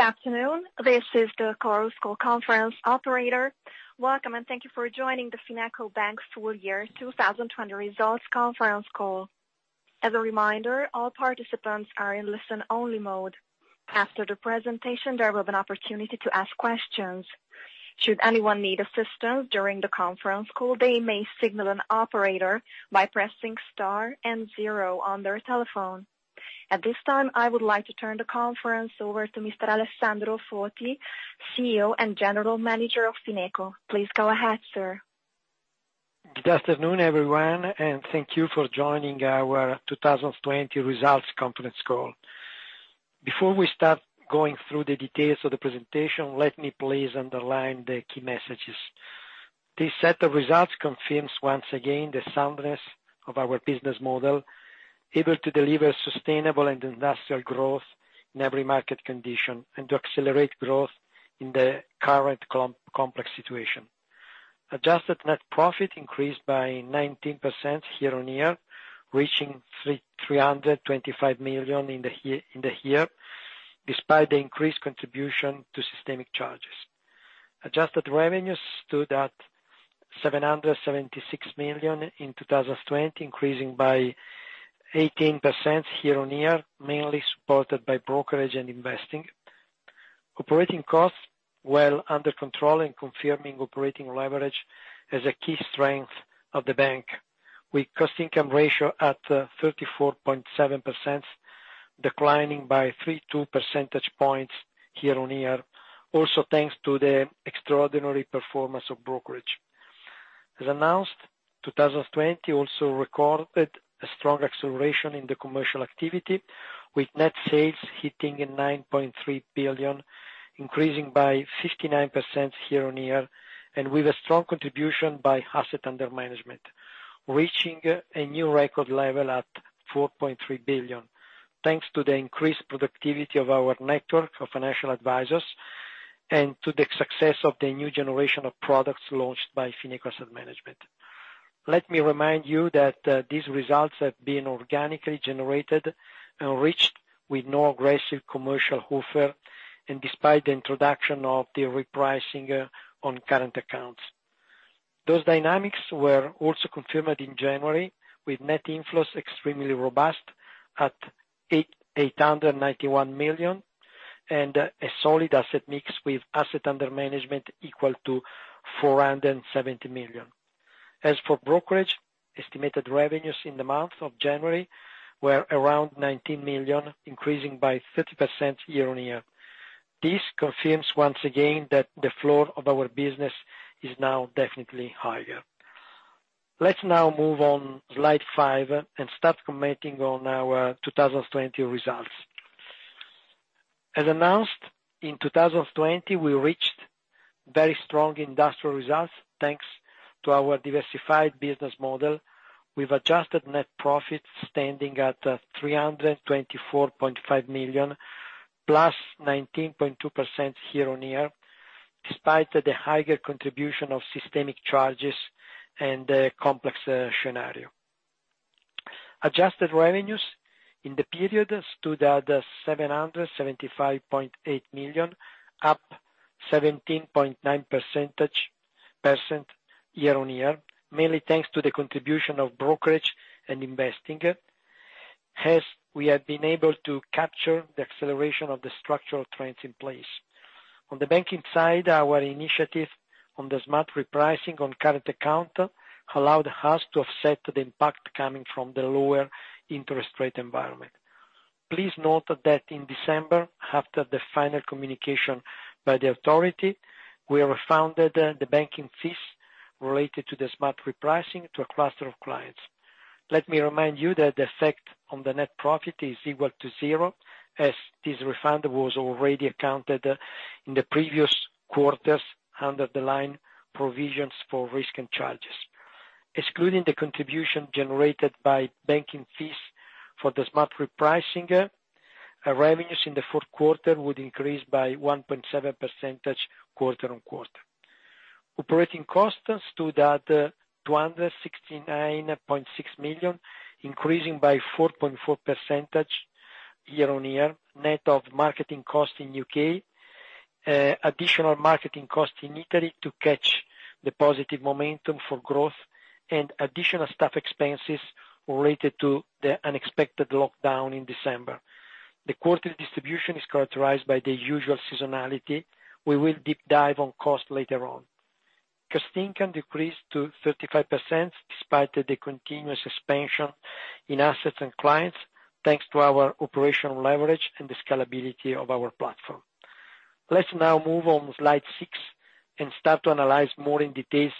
Good afternoon. This is the Chorus Call conference operator. Welcome, thank you for joining the FinecoBank full year 2020 results conference call. As a reminder, all participants are in listen-only mode. After the presentation, there will be an opportunity to ask questions. Should anyone need assistance during the conference call, they may signal an operator by pressing star and zero on their telephone. At this time, I would like to turn the conference over to Mr. Alessandro Foti, CEO and General Manager of FinecoBank. Please go ahead, sir. Good afternoon, everyone, and thank you for joining our 2020 results conference call. Before we start going through the details of the presentation, let me please underline the key messages. This set of results confirms once again the soundness of our business model, able to deliver sustainable and industrial growth in every market condition, and to accelerate growth in the current complex situation. Adjusted net profit increased by 19% year-on-year, reaching 325 million in the year, despite the increased contribution to systemic charges. Adjusted revenues stood at 776 million in 2020, increasing by 18% year-on-year, mainly supported by brokerage and investing. Operating costs well under control and confirming operating leverage as a key strength of the bank. With cost income ratio at 34.7%, declining by 32 percentage points year-on-year, also thanks to the extraordinary performance of brokerage. As announced, 2020 also recorded a strong acceleration in the commercial activity, with net sales hitting 9.3 billion, increasing by 59% year-on-year, and with a strong contribution by Assets Under Management, reaching a new record level at 4.3 billion. Thanks to the increased productivity of our network of financial advisors and to the success of the new generation of products launched by Fineco Asset Management. Let me remind you that these results have been organically generated and reached with no aggressive commercial offer, and despite the introduction of the repricing on current accounts. Those dynamics were also confirmed in January, with net inflows extremely robust at 891 million, and a solid asset mix with Assets Under Management equal to 470 million. As for brokerage, estimated revenues in the month of January were around 19 million, increasing by 30% year-on-year. This confirms once again that the floor of our business is now definitely higher. Let's now move on slide five, and start commenting on our 2020 results. As announced, in 2020, we reached very strong industrial results, thanks to our diversified business model. We've adjusted net profit standing at 324.5 million, plus 19.2% year-on-year, despite the higher contribution of systemic charges and the complex scenario. Adjusted revenues in the period stood at 775.8 million, up 17.9% year-on-year, mainly thanks to the contribution of brokerage and investing. As we have been able to capture the acceleration of the structural trends in place. On the banking side, our initiative on the smart repricing on current account allowed us to offset the impact coming from the lower interest rate environment. Please note that in December, after the final communication by the authority, we refunded the banking fees related to the smart repricing to a cluster of clients. Let me remind you that the effect on the net profit is equal to zero, as this refund was already accounted in the previous quarters under the line provisions for risk and charges. Excluding the contribution generated by banking fees for the smart repricing, our revenues in the fourth quarter would increase by 1.7% quarter-on-quarter. Operating costs stood at 269.6 million, increasing by 4.4% year-on-year, net of marketing costs in U.K. Additional marketing costs in Italy to catch the positive momentum for growth and additional staff expenses related to the unexpected lockdown in December. The quarter distribution is characterized by the usual seasonality. We will deep dive on cost later on. Cost income decreased to 35%, despite the continuous expansion in assets and clients, thanks to our operational leverage and the scalability of our platform. Let's now move on slide six, and start to analyze more in details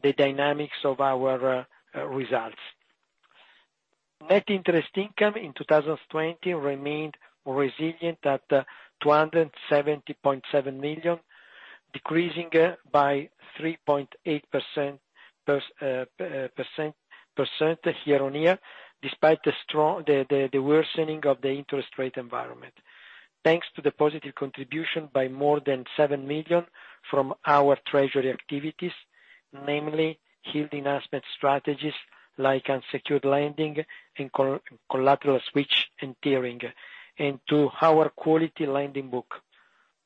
the dynamics of our results. Net interest income in 2020 remained resilient at 270.7 million, decreasing by 3.8% year-on-year, despite the strong worsening of the interest rate environment. Thanks to the positive contribution by more than 7 million from our treasury activities, namely yielding asset strategies like unsecured lending and collateral switch and tiering into our quality lending book.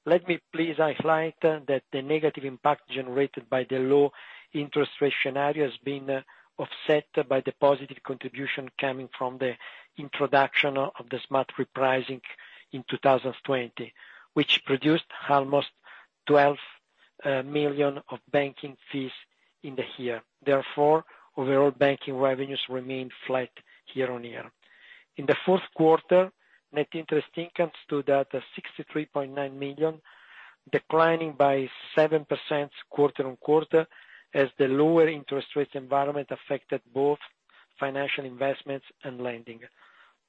Let me please highlight that the negative impact generated by the low interest rate scenario has been offset by the positive contribution coming from the introduction of the smart repricing in 2020, which produced almost 12 million of banking fees in the year. Overall banking revenues remained flat year on year. In the fourth quarter, net interest income stood at 63.9 million, declining by 7% quarter-on-quarter as the lower interest rate environment affected both financial investments and lending.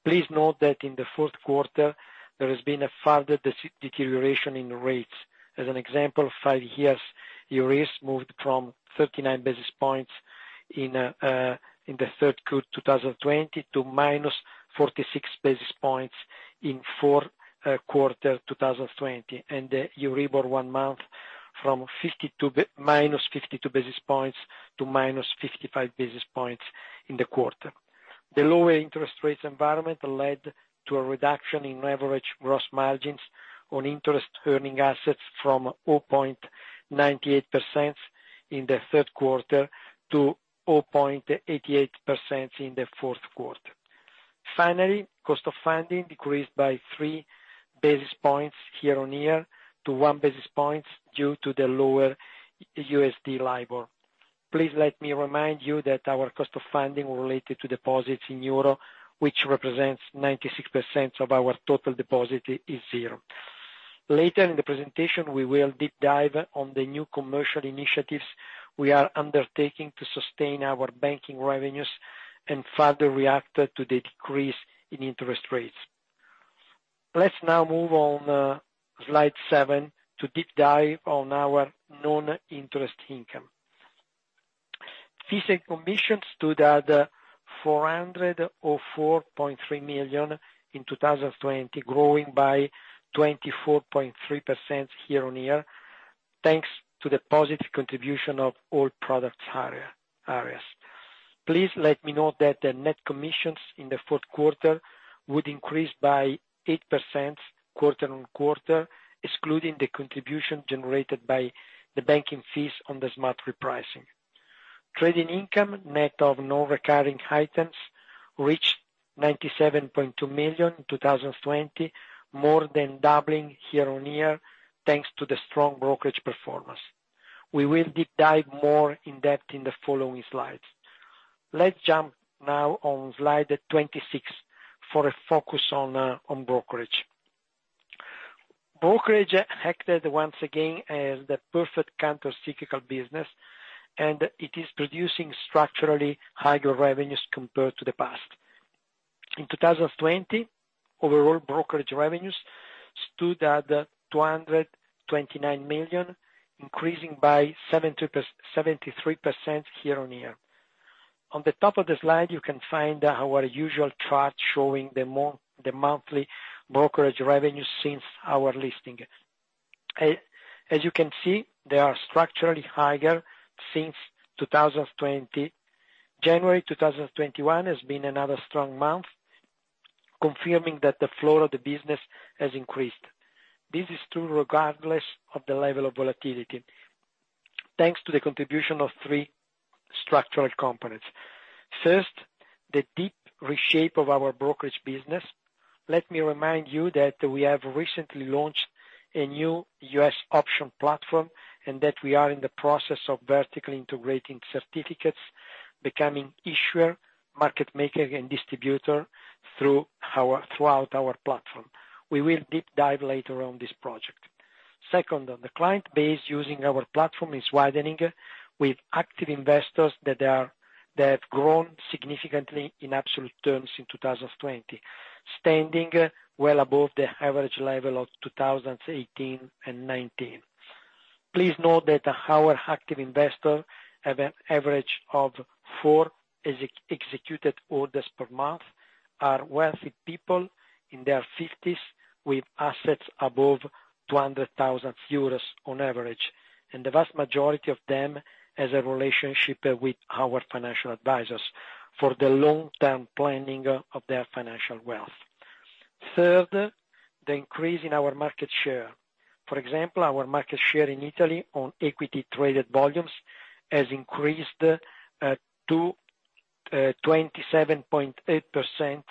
Please note that in the fourth quarter, there has been a further deterioration in rates. As an example, five years Euribor moved from 39 basis points in the third quarter 2020 to minus 46 basis points in fourth quarter 2020. Euribor month from -52 basis points to -55 basis points in the quarter. The lower interest rates environment led to a reduction in average gross margins on interest earning assets from 0.98% in the third quarter to 0.88% in the fourth quarter. Cost of funding decreased by 3 basis points year-on-year to 1 basis point due to the lower USD LIBOR. Please let me remind you that our cost of funding related to deposits in Euro, which represents 96% of our total deposit, is zero. Later in the presentation, we will deep dive on the new commercial initiatives we are undertaking to sustain our banking revenues and further react to the decrease in interest rates. Let's now move on slide seven to deep dive on our non-interest income. Fees and commissions stood at 404.3 million in 2020, growing by 24.3% year-on-year, thanks to the positive contribution of all products areas. Please let me note that the net commissions in the fourth quarter would increase by 8% quarter-on-quarter, excluding the contribution generated by the banking fees on the smart repricing. Trading income, net of non-recurring items, reached 97.2 million in 2020, more than doubling year-on-year, thanks to the strong brokerage performance. We will deep dive more in depth in the following slides. Let's jump now on slide 26 for a focus on brokerage. Brokerage acted once again as the perfect counter-cyclical business, it is producing structurally higher revenues compared to the past. In 2020, overall brokerage revenues stood at 229 million, increasing by 73% year-on-year. On the top of the slide, you can find our usual chart showing the monthly brokerage revenue since our listing. As you can see, they are structurally higher since 2020. January 2021 has been another strong month, confirming that the flow of the business has increased. This is true regardless of the level of volatility, thanks to the contribution of three structural components. First, the deep reshape of our brokerage business. Let me remind you that we have recently launched a new U.S. option platform, and that we are in the process of vertically integrating certificates, becoming issuer, market maker, and distributor throughout our platform. We will deep dive later on this project. Second, the client base using our platform is widening with active investors that have grown significantly in absolute terms in 2020, standing well above the average level of 2018 and 2019. Please note that our active investors have an average of four executed orders per month, are wealthy people in their 50s with assets above 200,000 euros on average, and the vast majority of them has a relationship with our financial advisors for the long-term planning of their financial wealth. Third, the increase in our market share. For example, our market share in Italy on equity traded volumes has increased to 27.8%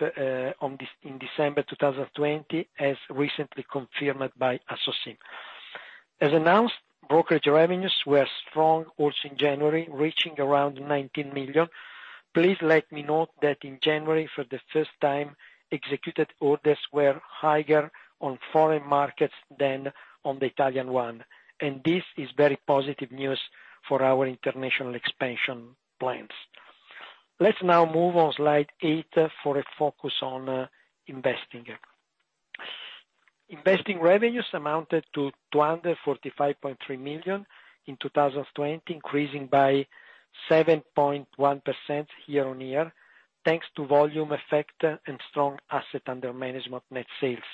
in December 2020, as recently confirmed by ASSOSIM. As announced, brokerage revenues were strong also in January, reaching around 19 million. Please let me note that in January, for the first time, executed orders were higher on foreign markets than on the Italian one, This is very positive news for our international expansion plans. Let's now move on slide eight for a focus on investing. Investing revenues amounted to 245.3 million in 2020, increasing by 7.1% year-on-year, thanks to volume effect and strong Assets Under Management net sales,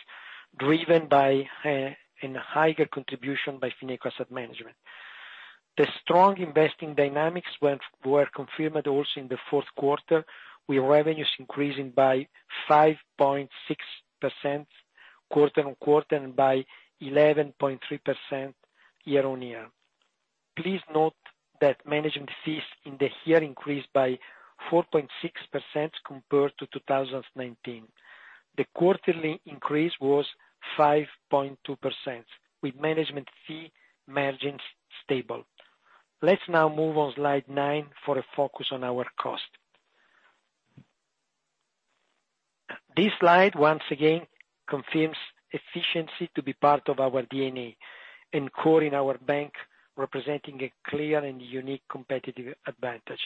driven by a higher contribution by Fineco Asset Management. The strong investing dynamics were confirmed also in the fourth quarter, with revenues increasing by 5.6% quarter-on-quarter, and by 11.3% year-on-year. Please note that management fees in the year increased by 4.6% compared to 2019. The quarterly increase was 5.2%, with management fee margins stable. Let's now move on slide nine for a focus on our cost. This slide once again confirms efficiency to be part of our DNA, and core in our bank, representing a clear and unique competitive advantage.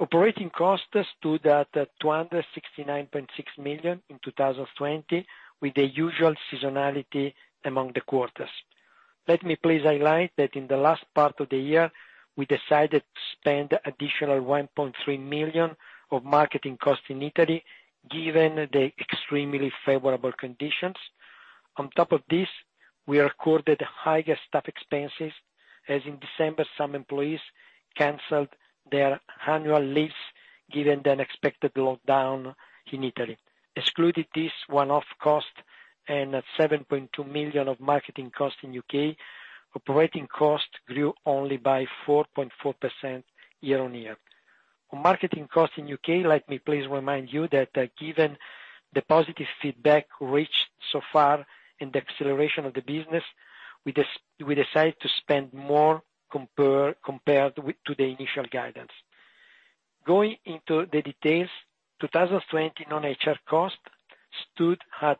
Operating costs stood at 269.6 million in 2020, with the usual seasonality among the quarters. Let me please highlight that in the last part of the year, we decided to spend additional 1.3 million of marketing costs in Italy, given the extremely favorable conditions. On top of this, we recorded higher staff expenses, as in December some employees canceled their annual leaves given the unexpected lockdown in Italy. Excluded this one-off cost and 7.2 million of marketing costs in U.K., operating costs grew only by 4.4% year-on-year. On marketing costs in U.K., let me please remind you that, given the positive feedback reached so far in the acceleration of the business, we decided to spend more compared with the initial guidance. Going into the details, 2020 non-HR costs stood at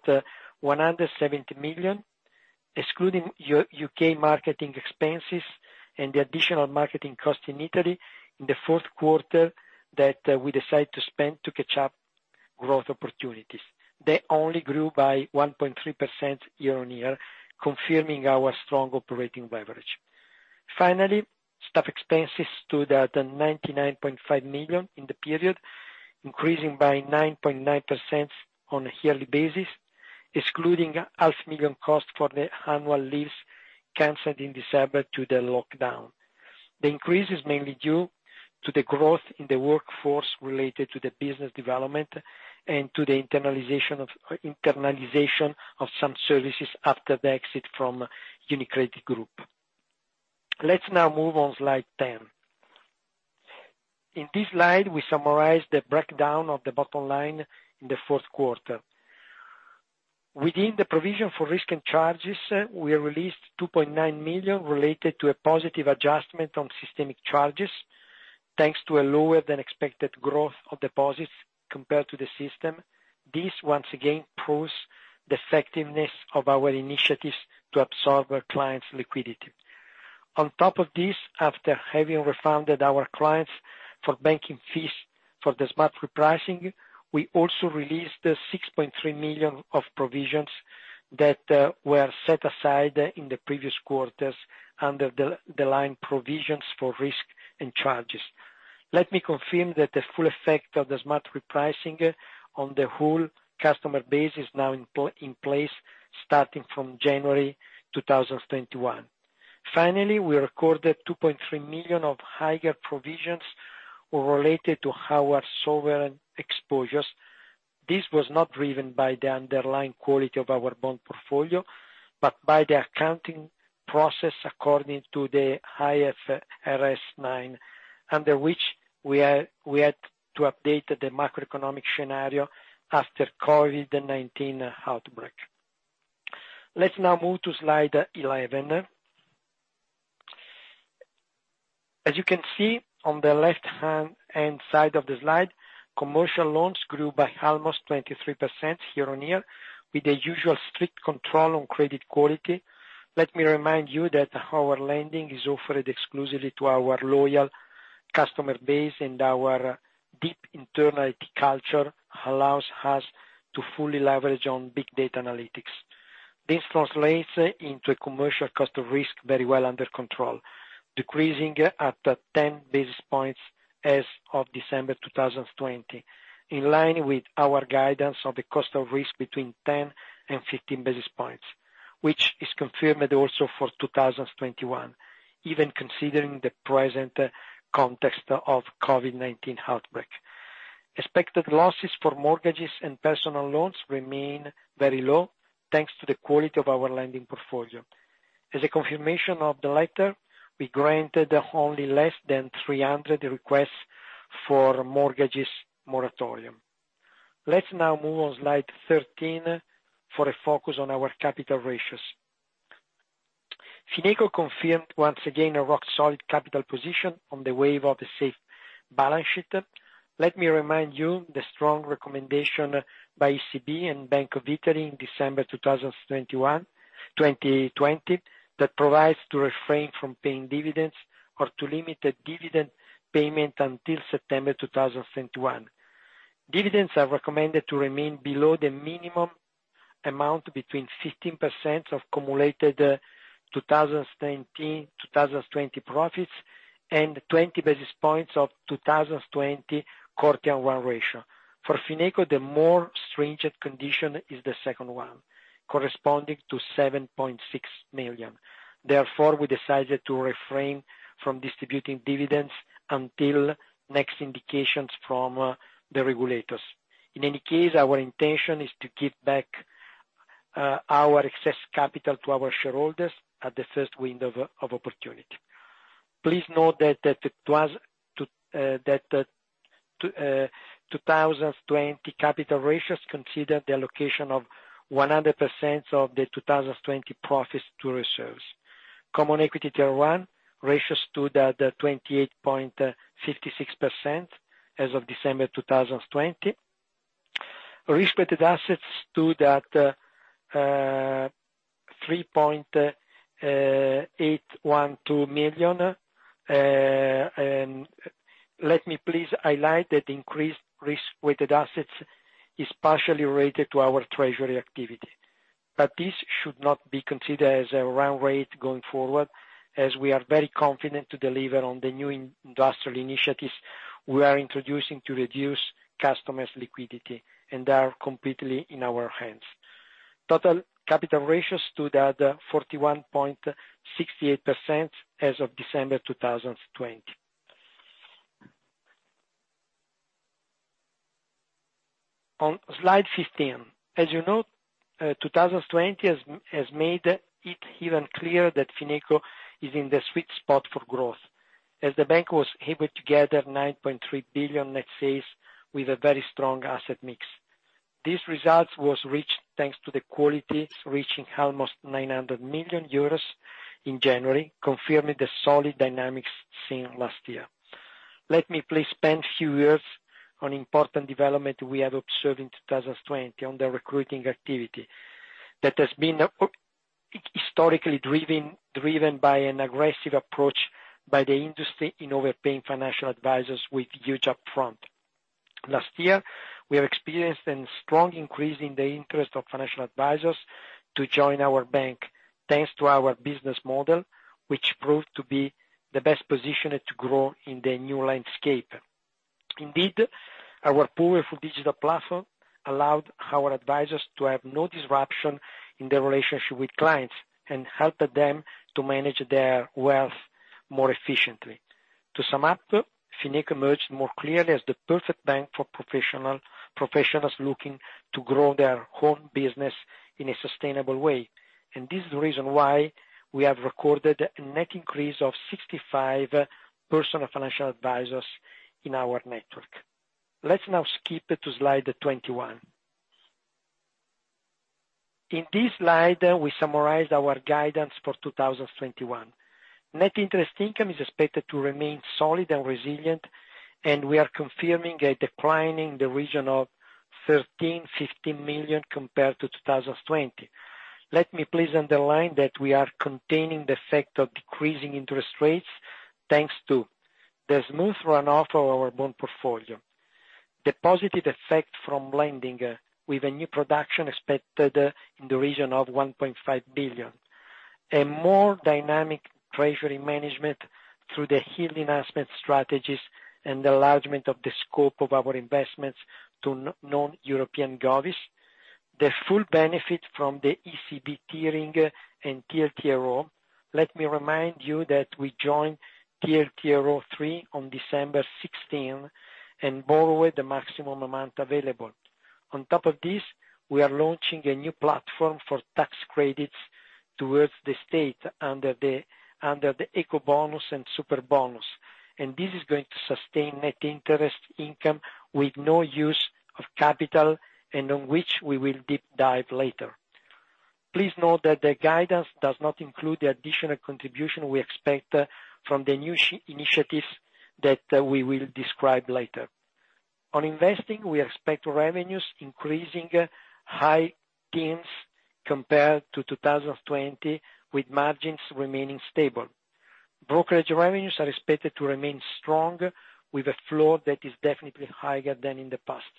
170 million, excluding U.K. marketing expenses and the additional marketing costs in Italy in the fourth quarter that we decided to spend to catch up growth opportunities. They only grew by 1.3% year-over-year, confirming our strong operating leverage. Finally, staff expenses stood at 99.5 million in the period, increasing by 9.9% on a yearly basis, excluding a EUR half million cost for the annual leaves canceled in December due to lockdown. The increase is mainly due to the growth in the workforce related to the business development and to the internalization of some services after the exit from UniCredit Group. Let's now move on slide 10. In this slide, we summarize the breakdown of the bottom line in the fourth quarter. Within the provision for risk and charges, we released 2.9 million related to a positive adjustment on systemic charges, thanks to a lower than expected growth of deposits compared to the system. This once again proves the effectiveness of our initiatives to absorb our clients' liquidity. On top of this, after having refunded our clients for banking fees for the smart repricing, we also released 6.3 million of provisions that were set aside in the previous quarters under the line provisions for risk and charges. Let me confirm that the full effect of the smart repricing on the whole customer base is now in place starting from January 2021. Finally, we recorded 2.3 million of higher provisions related to our sovereign exposures. This was not driven by the underlying quality of our bond portfolio, but by the accounting process according to the IFRS 9, under which we had to update the macroeconomic scenario after COVID-19 outbreak. Let's now move to slide 11. You can see on the left-hand side of the slide, commercial loans grew by almost 23% year-on-year with the usual strict control on credit quality. Let me remind you that our lending is offered exclusively to our loyal customer base, our deep internal culture allows us to fully leverage on big data analytics. This translates into a commercial cost of risk very well under control, decreasing at 10 basis points as of December 2020, in line with our guidance of the cost of risk between 10 basis points and 15 basis points, which is confirmed also for 2021, even considering the present context of COVID-19 outbreak. Expected losses for mortgages and personal loans remain very low, thanks to the quality of our lending portfolio. As a confirmation of the latter, we granted only less than 300 requests for mortgages moratorium. Let's now move on slide 13 for a focus on our capital ratios. Fineco confirmed once again a rock-solid capital position on the wave of a safe balance sheet. Let me remind you the strong recommendation by ECB and Bank of Italy in December 2021, 2020, that provides to refrain from paying dividends or to limit the dividend payment until September 2021. Dividends are recommended to remain below the minimum amount between 15% of cumulated 2019, 2020 profits. 20 basis points of 2020 Core tier one ratio. For Fineco, the more stringent condition is the second one, corresponding to 7.6 million. We decided to refrain from distributing dividends until next indications from the regulators. In any case, our intention is to give back our excess capital to our shareholders at the first window of opportunity. Please note that 2020 capital ratios consider the allocation of 100% of the 2020 profits to reserves. Common equity tier one ratios stood at 28.56% as of December 2020. Risk-weighted assets stood at 3.812 million. Let me please highlight that increased risk-weighted assets is partially related to our treasury activity. This should not be considered as a run rate going forward, as we are very confident to deliver on the new industrial initiatives we are introducing to reduce customers' liquidity, and are completely in our hands. Total capital ratios stood at 41.68% as of December 2020. On slide 15. As you know, 2020 has made it even clearer that Fineco is in the sweet spot for growth, as the bank was able to gather 9.3 billion net sales with a very strong asset mix. These results was reached thanks to the qualities reaching almost 900 million euros in January, confirming the solid dynamics seen last year. Let me please spend a few words on important development we have observed in 2020 on the recruiting activity that has been historically driven by an aggressive approach by the industry in overpaying financial advisors with huge upfront. Last year, we have experienced an strong increase in the interest of financial advisors to join our bank, thanks to our business model, which proved to be the best positioned to grow in the new landscape. Indeed, our powerful digital platform allowed our advisors to have no disruption in their relationship with clients and helped them to manage their wealth more efficiently. To sum up, Fineco emerged more clearly as the perfect bank for professionals looking to grow their own business in a sustainable way. This is the reason why we have recorded a net increase of 65 personal financial advisors in our network. Let's now skip to slide 21. In this slide, we summarize our guidance for 2021. Net interest income is expected to remain solid and resilient, we are confirming a decline in the region of 13 million, 15 million compared to 2020. Let me please underline that we are containing the effect of decreasing interest rates, thanks to the smooth runoff of our bond portfolio. The positive effect from lending with a new production expected in the region of 1.5 billion. A more dynamic treasury management through the yield enhancement strategies and the enlargement of the scope of our investments to non-European govies. The full benefit from the ECB tiering and TLTRO. Let me remind you that we joined TLTRO III on December 16th and borrowed the maximum amount available. We are launching a new platform for tax credits towards the state under the Ecobonus and Superbonus. This is going to sustain net interest income with no use of capital and on which we will deep dive later. Please note that the guidance does not include the additional contribution we expect from the new initiatives that we will describe later. On investing, we expect revenues increasing high teens compared to 2020, with margins remaining stable. Brokerage revenues are expected to remain strong with a flow that is definitely higher than in the past.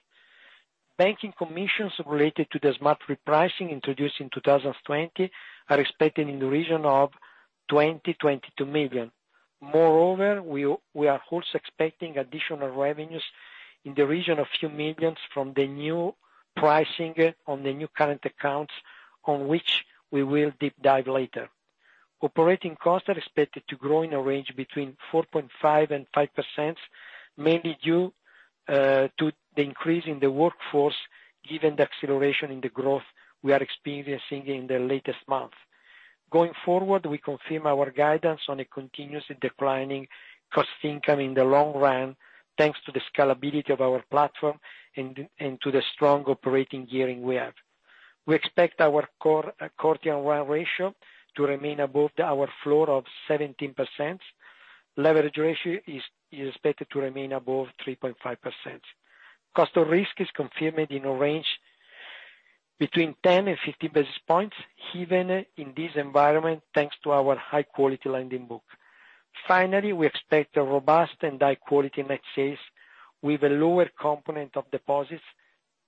Banking commissions related to the smart repricing introduced in 2020 are expected in the region of 20 million, 22 million. Moreover, we are also expecting additional revenues in the region a few millions from the new pricing on the new current accounts, on which we will deep dive later. Operating costs are expected to grow in a range between 4.5% and 5%, mainly due to the increase in the workforce given the acceleration in the growth we are experiencing in the latest month. Going forward, we confirm our guidance on a continuously declining cost income in the long run, thanks to the scalability of our platform and to the strong operating gearing we have. We expect our Core tier one ratio to remain above our floor of 17%. Leverage ratio is expected to remain above 3.5%. Cost of risk is confirmed in a range between 10 basis point and 50 basis points, even in this environment, thanks to our high-quality lending book. Finally, we expect a robust and high-quality net sales with a lower component of deposits,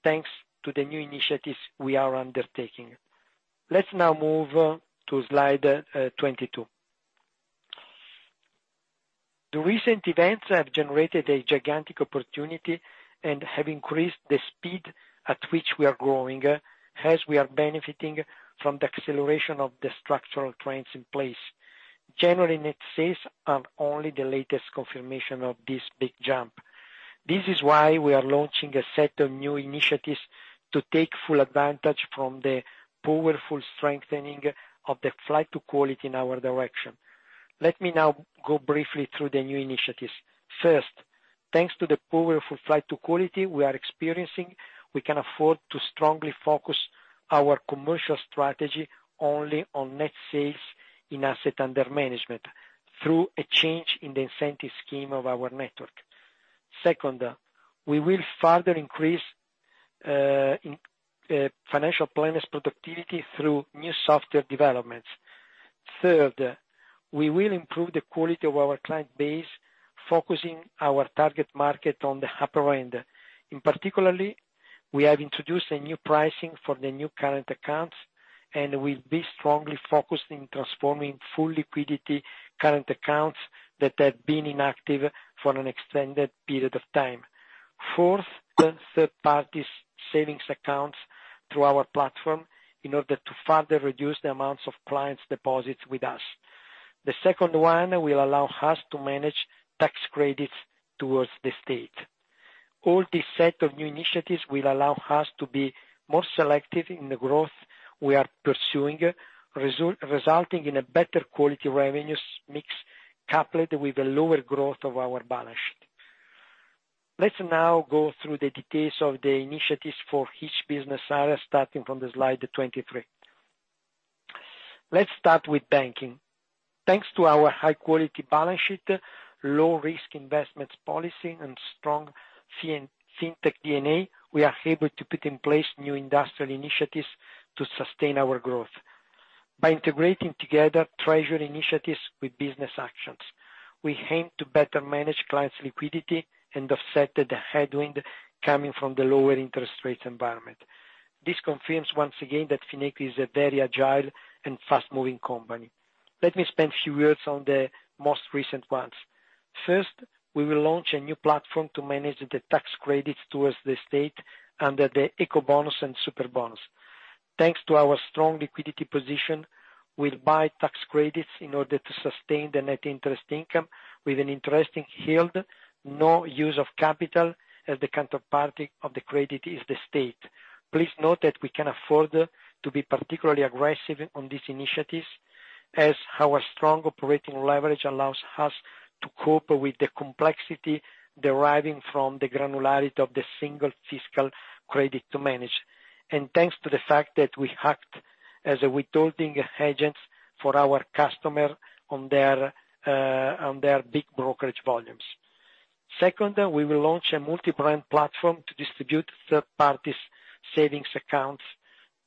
thanks to the new initiatives we are undertaking. Let's now move to slide 22. The recent events have generated a gigantic opportunity and have increased the speed at which we are growing, as we are benefiting from the acceleration of the structural trends in place. January net sales are only the latest confirmation of this big jump. This is why we are launching a set of new initiatives to take full advantage from the powerful strengthening of the flight to quality in our direction. Let me now go briefly through the new initiatives. First, thanks to the powerful flight to quality we are experiencing, we can afford to strongly focus our commercial strategy only on net sales in Assets Under Management through a change in the incentive scheme of our network. Second, we will further increase financial planners productivity through new software developments. Third, we will improve the quality of our client base, focusing our target market on the upper end. In particular, we have introduced a new pricing for the new current accounts, and we'll be strongly focused in transforming full liquidity current accounts that have been inactive for an extended period of time. Fourth, third-party savings accounts through our platform in order to further reduce the amounts of clients deposits with us. The second one will allow us to manage tax credits towards the state. All this set of new initiatives will allow us to be more selective in the growth we are pursuing, resulting in a better quality revenue mix, coupled with a lower growth of our balance sheet. Let's now go through the details of the initiatives for each business area, starting from the slide 23. Let's start with banking. Thanks to our high quality balance sheet, low risk investments policy and strong fintech DNA, we are able to put in place new industrial initiatives to sustain our growth. By integrating together treasury initiatives with business actions, we aim to better manage clients liquidity and offset the headwind coming from the lower interest rates environment. This confirms once again that Fineco is a very agile and fast moving company. Let me spend a few words on the most recent ones. First, we will launch a new platform to manage the tax credits towards the state under the Ecobonus and Superbonus. Thanks to our strong liquidity position, we'll buy tax credits in order to sustain the net interest income with an interesting yield, no use of capital as the counterparty of the credit is the state. Please note that we can afford to be particularly aggressive on these initiatives as our strong operating leverage allows us to cope with the complexity deriving from the granularity of the single fiscal credit to manage. Thanks to the fact that we act as a withholding agents for our customer on their big brokerage volumes. Second, we will launch a multi-brand platform to distribute third parties savings accounts.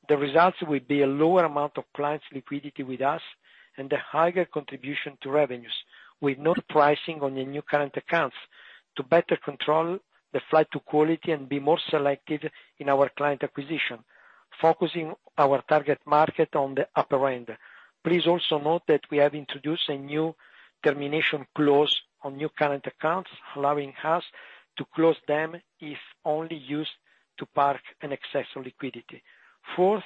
The results will be a lower amount of clients liquidity with us and a higher contribution to revenues, with no pricing on the new current accounts to better control the flight to quality and be more selective in our client acquisition, focusing our target market on the upper end. Please also note that we have introduced a new termination clause on new current accounts, allowing us to close them if only used to park an excess of liquidity. Fourth,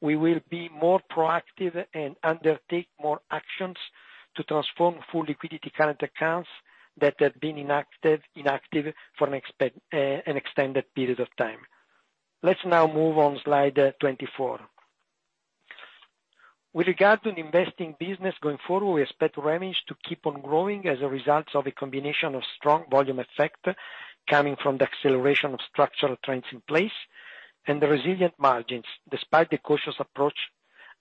we will be more proactive and undertake more actions to transform full liquidity current accounts that have been inactive for an extended period of time. Let's now move on slide 24. With regard to the investing business going forward, we expect revenues to keep on growing as a result of a combination of strong volume effect coming from the acceleration of structural trends in place and the resilient margins despite the cautious approach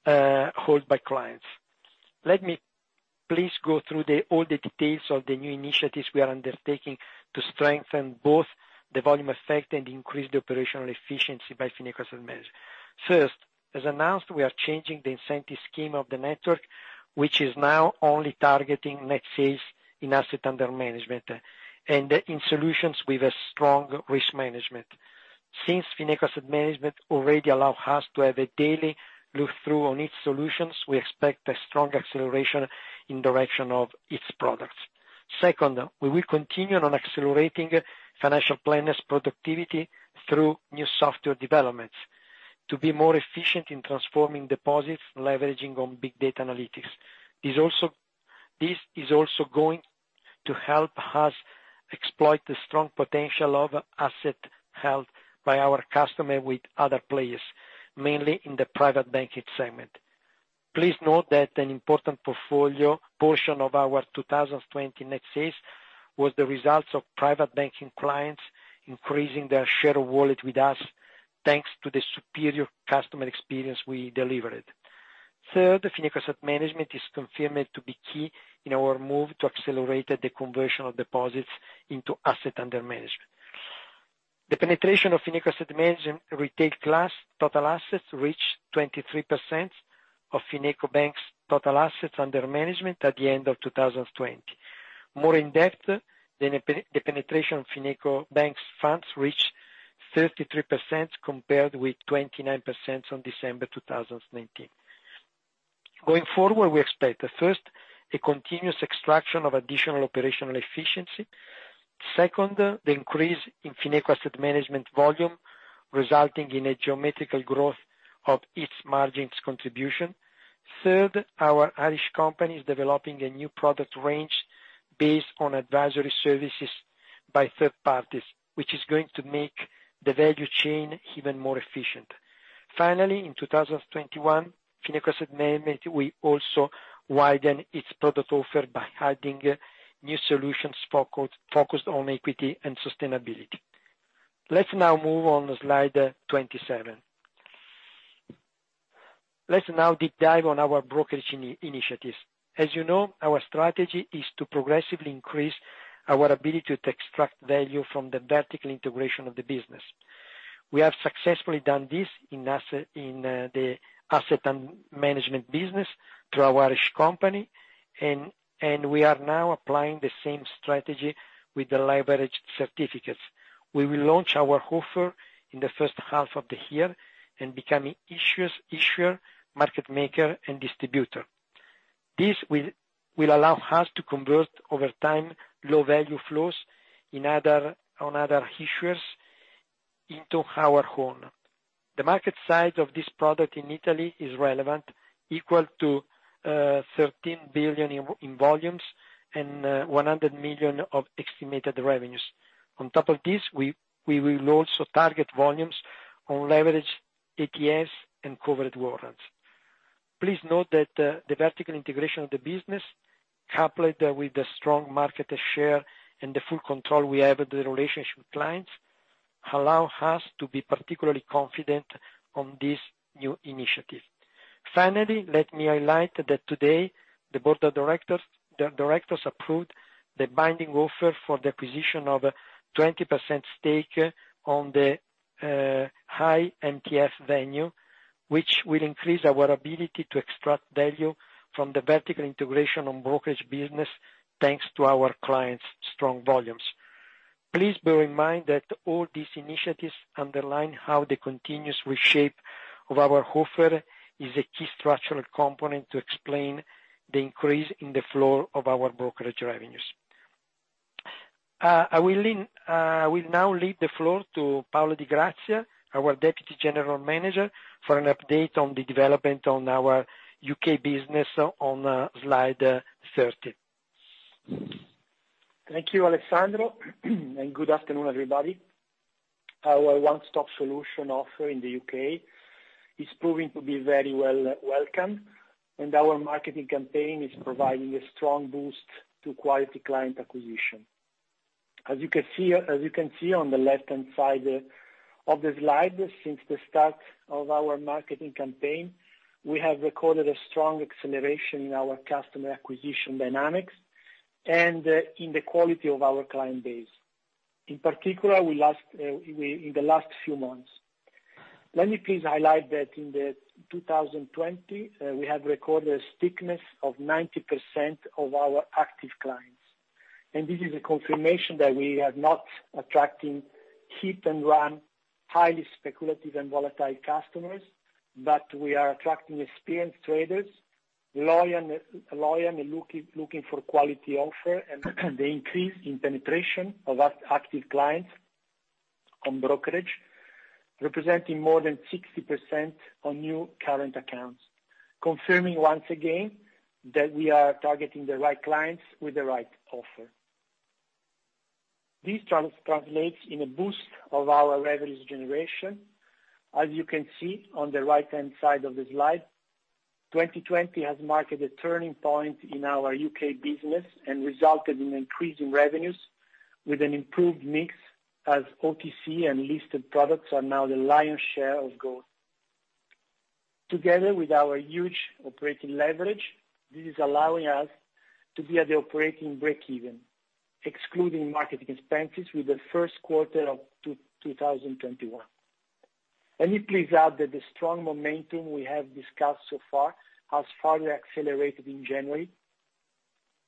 held by clients. Let me please go through all the details of the new initiatives we are undertaking to strengthen both the volume effect and increase the operational efficiency by Fineco Asset Management. First, as announced, we are changing the incentive scheme of the network, which is now only targeting net sales in Assets Under Management, and in solutions with a strong risk management. Since Fineco Asset Management already allow us to have a daily look through on each solutions, we expect a strong acceleration in direction of its products. Second, we will continue on accelerating financial planners productivity through new software developments to be more efficient in transforming deposits, leveraging on big data analytics. This is also going to help us exploit the strong potential of asset held by our customer with other players, mainly in the private banking segment. Please note that an important portfolio portion of our 2020 net sales was the result of private banking clients increasing their share of wallet with us thanks to the superior customer experience we delivered. Third, Fineco Asset Management is confirmed to be key in our move to accelerate the conversion of deposits into Assets Under Management. The penetration of Fineco Asset Management retail class total assets reached 23% of FinecoBank's total Assets Under Management at the end of 2020. More in depth, the penetration FinecoBank's funds reached 33% compared with 29% on December 2019. Going forward, we expect, first, a continuous extraction of additional operational efficiency. Second, the increase in Fineco Asset Management volume resulting in a geometrical growth of its margins contribution. Third, our Irish company is developing a new product range based on advisory services by third parties, which is going to make the value chain even more efficient. Finally, in 2021, Fineco Asset Management will also widen its product offer by adding new solutions focused on equity and sustainability. Let's now move on to slide 27. Let's now deep dive on our brokerage initiatives. As you know, our strategy is to progressively increase our ability to extract value from the vertical integration of the business. We have successfully done this in asset management business through our Irish company, and we are now applying the same strategy with the leveraged certificates. We will launch our offer in the first half of the year in becoming issuer, market maker and distributor. This will allow us to convert, over time, low value flows in other, on other issuers into our own. The market size of this product in Italy is relevant, equal to 13 billion in volumes and 100 million of estimated revenues. On top of this, we will also target volumes on leveraged ETFs and covered warrants. Please note that the vertical integration of the business, coupled with the strong market share and the full control we have with the relationship clients, allow us to be particularly confident on this new initiative. Finally, let me highlight that today the board of directors approved the binding offer for the acquisition of a 20% stake on the Hi-MTF venue, which will increase our ability to extract value from the vertical integration on brokerage business, thanks to our clients' strong volumes. Please bear in mind that all these initiatives underline how the continuous reshape of our offer is a key structural component to explain the increase in the flow of our brokerage revenues. I will now leave the floor to Paolo Di Grazia, our Deputy General Manager, for an update on the development on our U.K. business on, slide 30. Thank you, Alessandro, and good afternoon, everybody. Our one-stop solution offer in the U.K. is proving to be very well welcomed, and our marketing campaign is providing a strong boost to quality client acquisition. As you can see on the left-hand side of the slide, since the start of our marketing campaign, we have recorded a strong acceleration in our customer acquisition dynamics and in the quality of our client base. Let me please highlight that in 2020, we have recorded a stickiness of 90% of our active clients. This is a confirmation that we are not attracting hit and run, highly speculative and volatile customers, but we are attracting experienced traders, loyal and looking for quality offer. The increase in penetration of active clients on brokerage, representing more than 60% on new current accounts, confirming once again that we are targeting the right clients with the right offer. This translates in a boost of our revenues generation. As you can see on the right-hand side of the slide, 2020 has marked a turning point in our U.K. business and resulted in increasing revenues with an improved mix as OTC and listed products are now the lion's share of growth. Together with our huge operating leverage, this is allowing us to be at the operating breakeven, excluding marketing expenses with the first quarter of 2021. Let me please add that the strong momentum we have discussed so far has further accelerated in January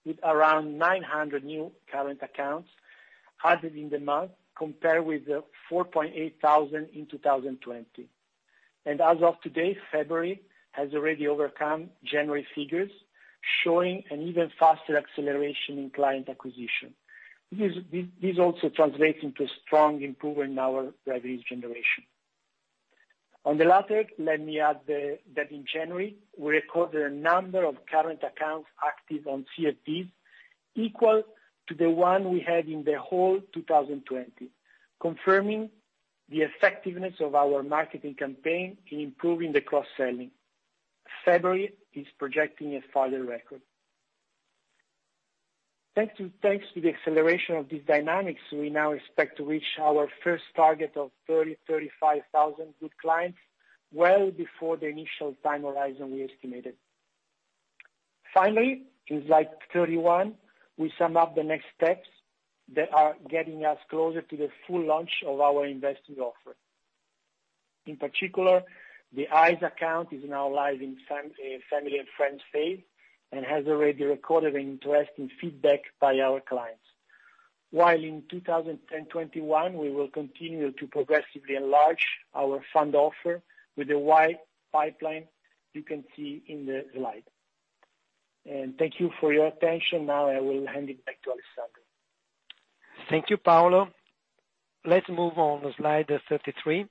with around 900 new current accounts added in the month, compared with the 4,800 in 2020. As of today, February has already overcome January figures, showing an even faster acceleration in client acquisition. This also translates into a strong improvement in our revenues generation. On the latter, let me add that in January, we recorded a number of current accounts active on CFDs equal to the one we had in the whole 2020, confirming the effectiveness of our marketing campaign in improving the cross-selling. February is projecting a further record. Thank you. Thanks to the acceleration of these dynamics, we now expect to reach our first target of 30,000-35,000 good clients well before the initial time horizon we estimated. Finally, in slide 31, we sum up the next steps that are getting us closer to the full launch of our investing offer. In particular the ISA account is now live in family and friends phase, has already recorded an interesting feedback by our clients. While in 2021, we will continue to progressively enlarge our fund offer with the wide pipeline you can see in the slide. Thank you for your attention. I will hand it back to Alessandro. Thank you, Paolo. Let's move on to slide 33.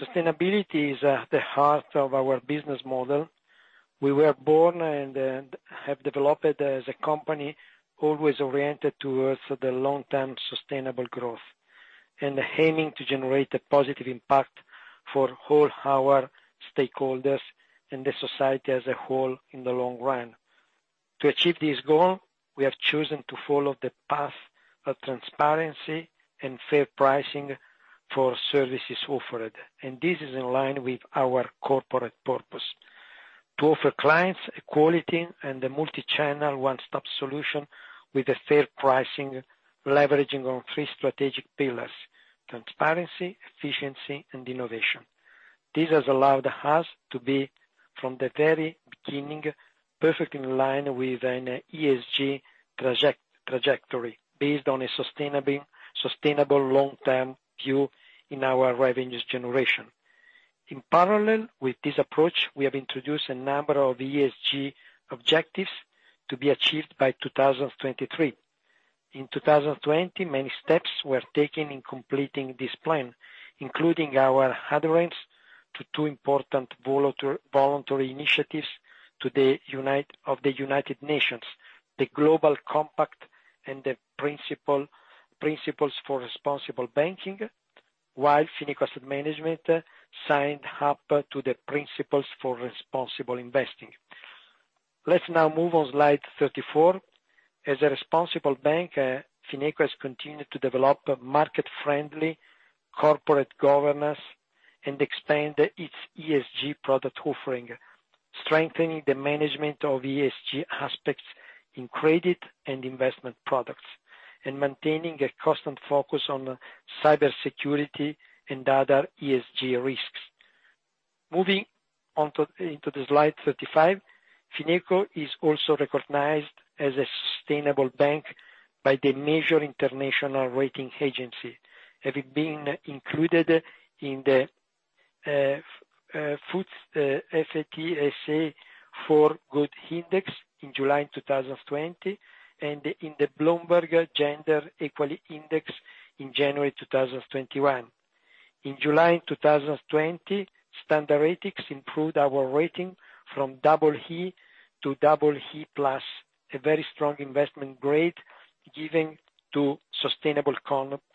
Sustainability is at the heart of our business model. We were born and have developed as a company always oriented towards the long-term sustainable growth. Aiming to generate a positive impact for all our stakeholders and the society as a whole in the long run. To achieve this goal, we have chosen to follow the path of transparency and fair pricing for services offered, and this is in line with our corporate purpose. To offer clients a quality and the multi-channel one-stop solution with a fair pricing, leveraging on 3 strategic pillars: transparency, efficiency, and innovation. This has allowed us to be, from the very beginning, perfectly in line with an ESG trajectory based on a sustainable long-term view in our revenues generation. In parallel with this approach, we have introduced a number of ESG objectives to be achieved by 2023. In 2020, many steps were taken in completing this plan, including our adherence to two important voluntary initiatives of the United Nations, the Global Compact and the Principles for Responsible Banking, while Fineco Asset Management signed up to the Principles for Responsible Investing. Let's now move on slide 34. As a responsible bank, Fineco has continued to develop market friendly corporate governance and expand its ESG product offering, strengthening the management of ESG aspects in credit and investment products, and maintaining a constant focus on cybersecurity and other ESG risks. Moving onto, into the slide 35, Fineco is also recognized as a sustainable bank by the major international rating agency, having been included in the FTSE4Good Index in July 2020, and in the Bloomberg Gender-Equality Index in January 2021. In July 2020, Standard Ethics improved our rating from EE to EE+, a very strong investment grade given to sustainable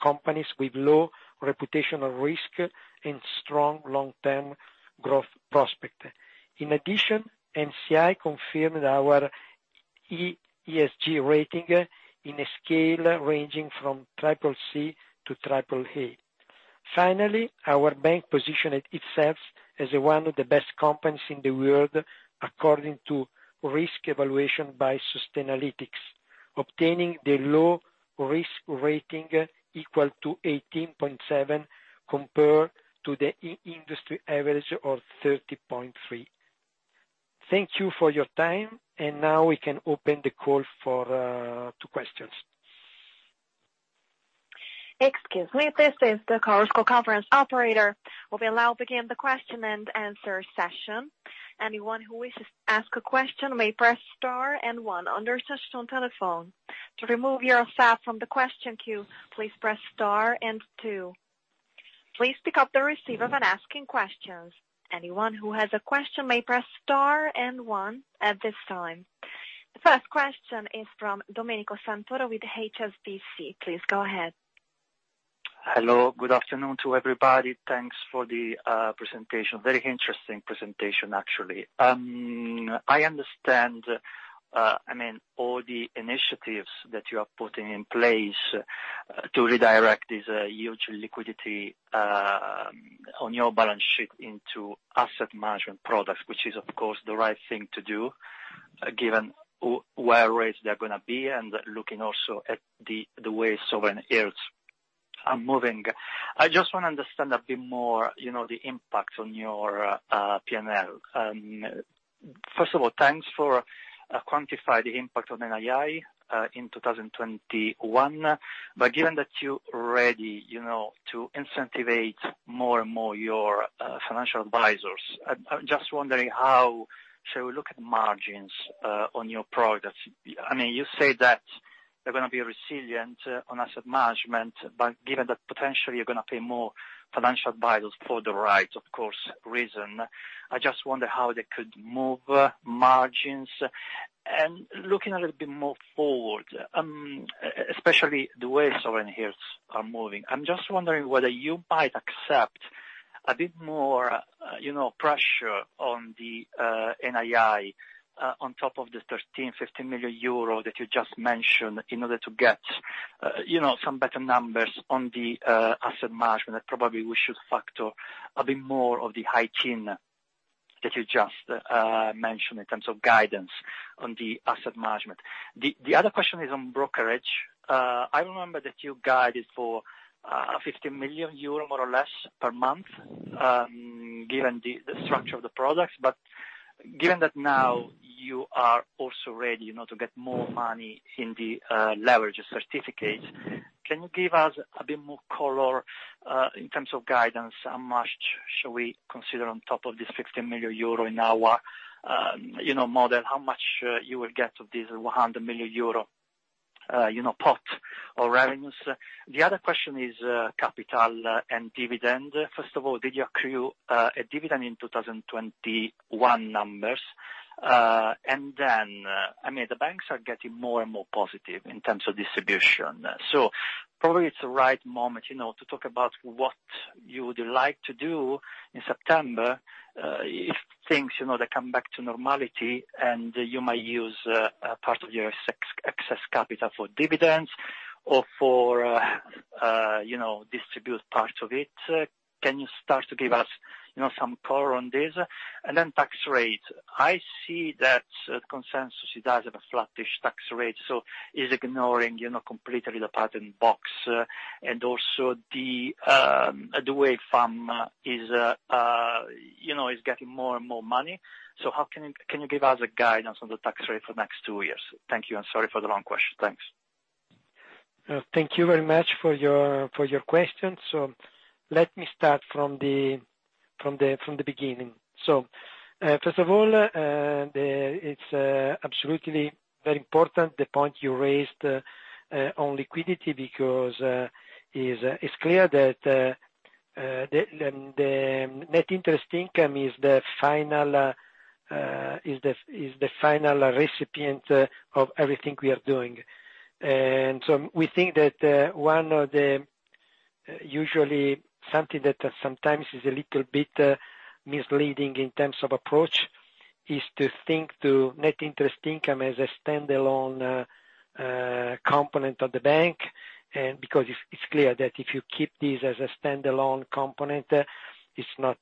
companies with low reputational risk and strong long-term growth prospect. In addition, MSCI confirmed our ESG rating in a scale ranging from CCC to AAA. Finally, our bank positioned itself as one of the best companies in the world according to risk evaluation by Sustainalytics, obtaining the low risk rating equal to 18.7 compared to the industry average of 30.3. Thank you for your time, and now we can open the call to questions. Excuse me, this is the chorus call conference operator. We will now begin the question and answer session. Anyone who wishes to ask a question may press star and one in there system telephone. To remove yourself from the question queue, please press star and two. Please pick up the receiver when asking question. Anyone who has a question may press star and one at this time. The first question is from Domenico Santoro with HSBC. Please go ahead. Hello. Good afternoon to everybody. Thanks for the presentation. Very interesting presentation, actually. I understand, I mean, all the initiatives that you are putting in place to redirect this huge liquidity on your balance sheet into asset management products, which is, of course, the right thing to do, given where rates they're gonna be and looking also at the way sovereign yields are moving. I just wanna understand a bit more, you know, the impact on your P&L. First of all, thanks for quantify the impact on NII in 2021. Given that you're ready, you know, to incentivize more and more your financial advisors, I'm just wondering how shall we look at margins on your products? I mean, you say that they're gonna be resilient on asset management, but given that potentially you're gonna pay more financial advisors for the right, of course, reason, I just wonder how they could move margins. Looking a little bit more forward, especially the way sovereign yields are moving, I'm just wondering whether you might accept a bit more, you know, pressure on the NII on top of the 13 million, 15 million euro that you just mentioned in order to get, you know, some better numbers on the asset management that probably we should factor a bit more of the high tier that you just mentioned in terms of guidance on the asset management. The other question is on brokerage. I remember that you guided for 50 million euro, more or less, per month, given the structure of the products. Given that now you are also ready, you know, to get more money in the leverage certificates, can you give us a bit more color in terms of guidance? How much should we consider on top of this 50 million euro in our, you know, model? How much you will get of this 100 million euro, you know, pot or revenues? The other question is capital and dividend. First of all, did you accrue a dividend in 2021 numbers? I mean, the banks are getting more and more positive in terms of distribution. Probably it's the right moment, you know, to talk about what you would like to do in September, if things, you know, they come back to normality and you might use a part of your excess capital for dividends or for, you know, distribute part of it. Can you start to give us, you know, some color on this? Then tax rate. I see that consensus, it does have a flattish tax rate, so is ignoring, you know, completely the patent box. Also the way FAM is, you know, is getting more and more money. How can you give us a guidance on the tax rate for the next two years? Thank you, and sorry for the long question. Thanks. Thank you very much for your questions. Let me start from the beginning. First of all, it's absolutely very important the point you raised on liquidity because it's clear that the net interest income is the final recipient of everything we are doing. We think that one of the, usually something that sometimes is a little bit misleading in terms of approach is to think to net interest income as a standalone component of the bank. Because it's clear that if you keep this as a standalone component, it's not,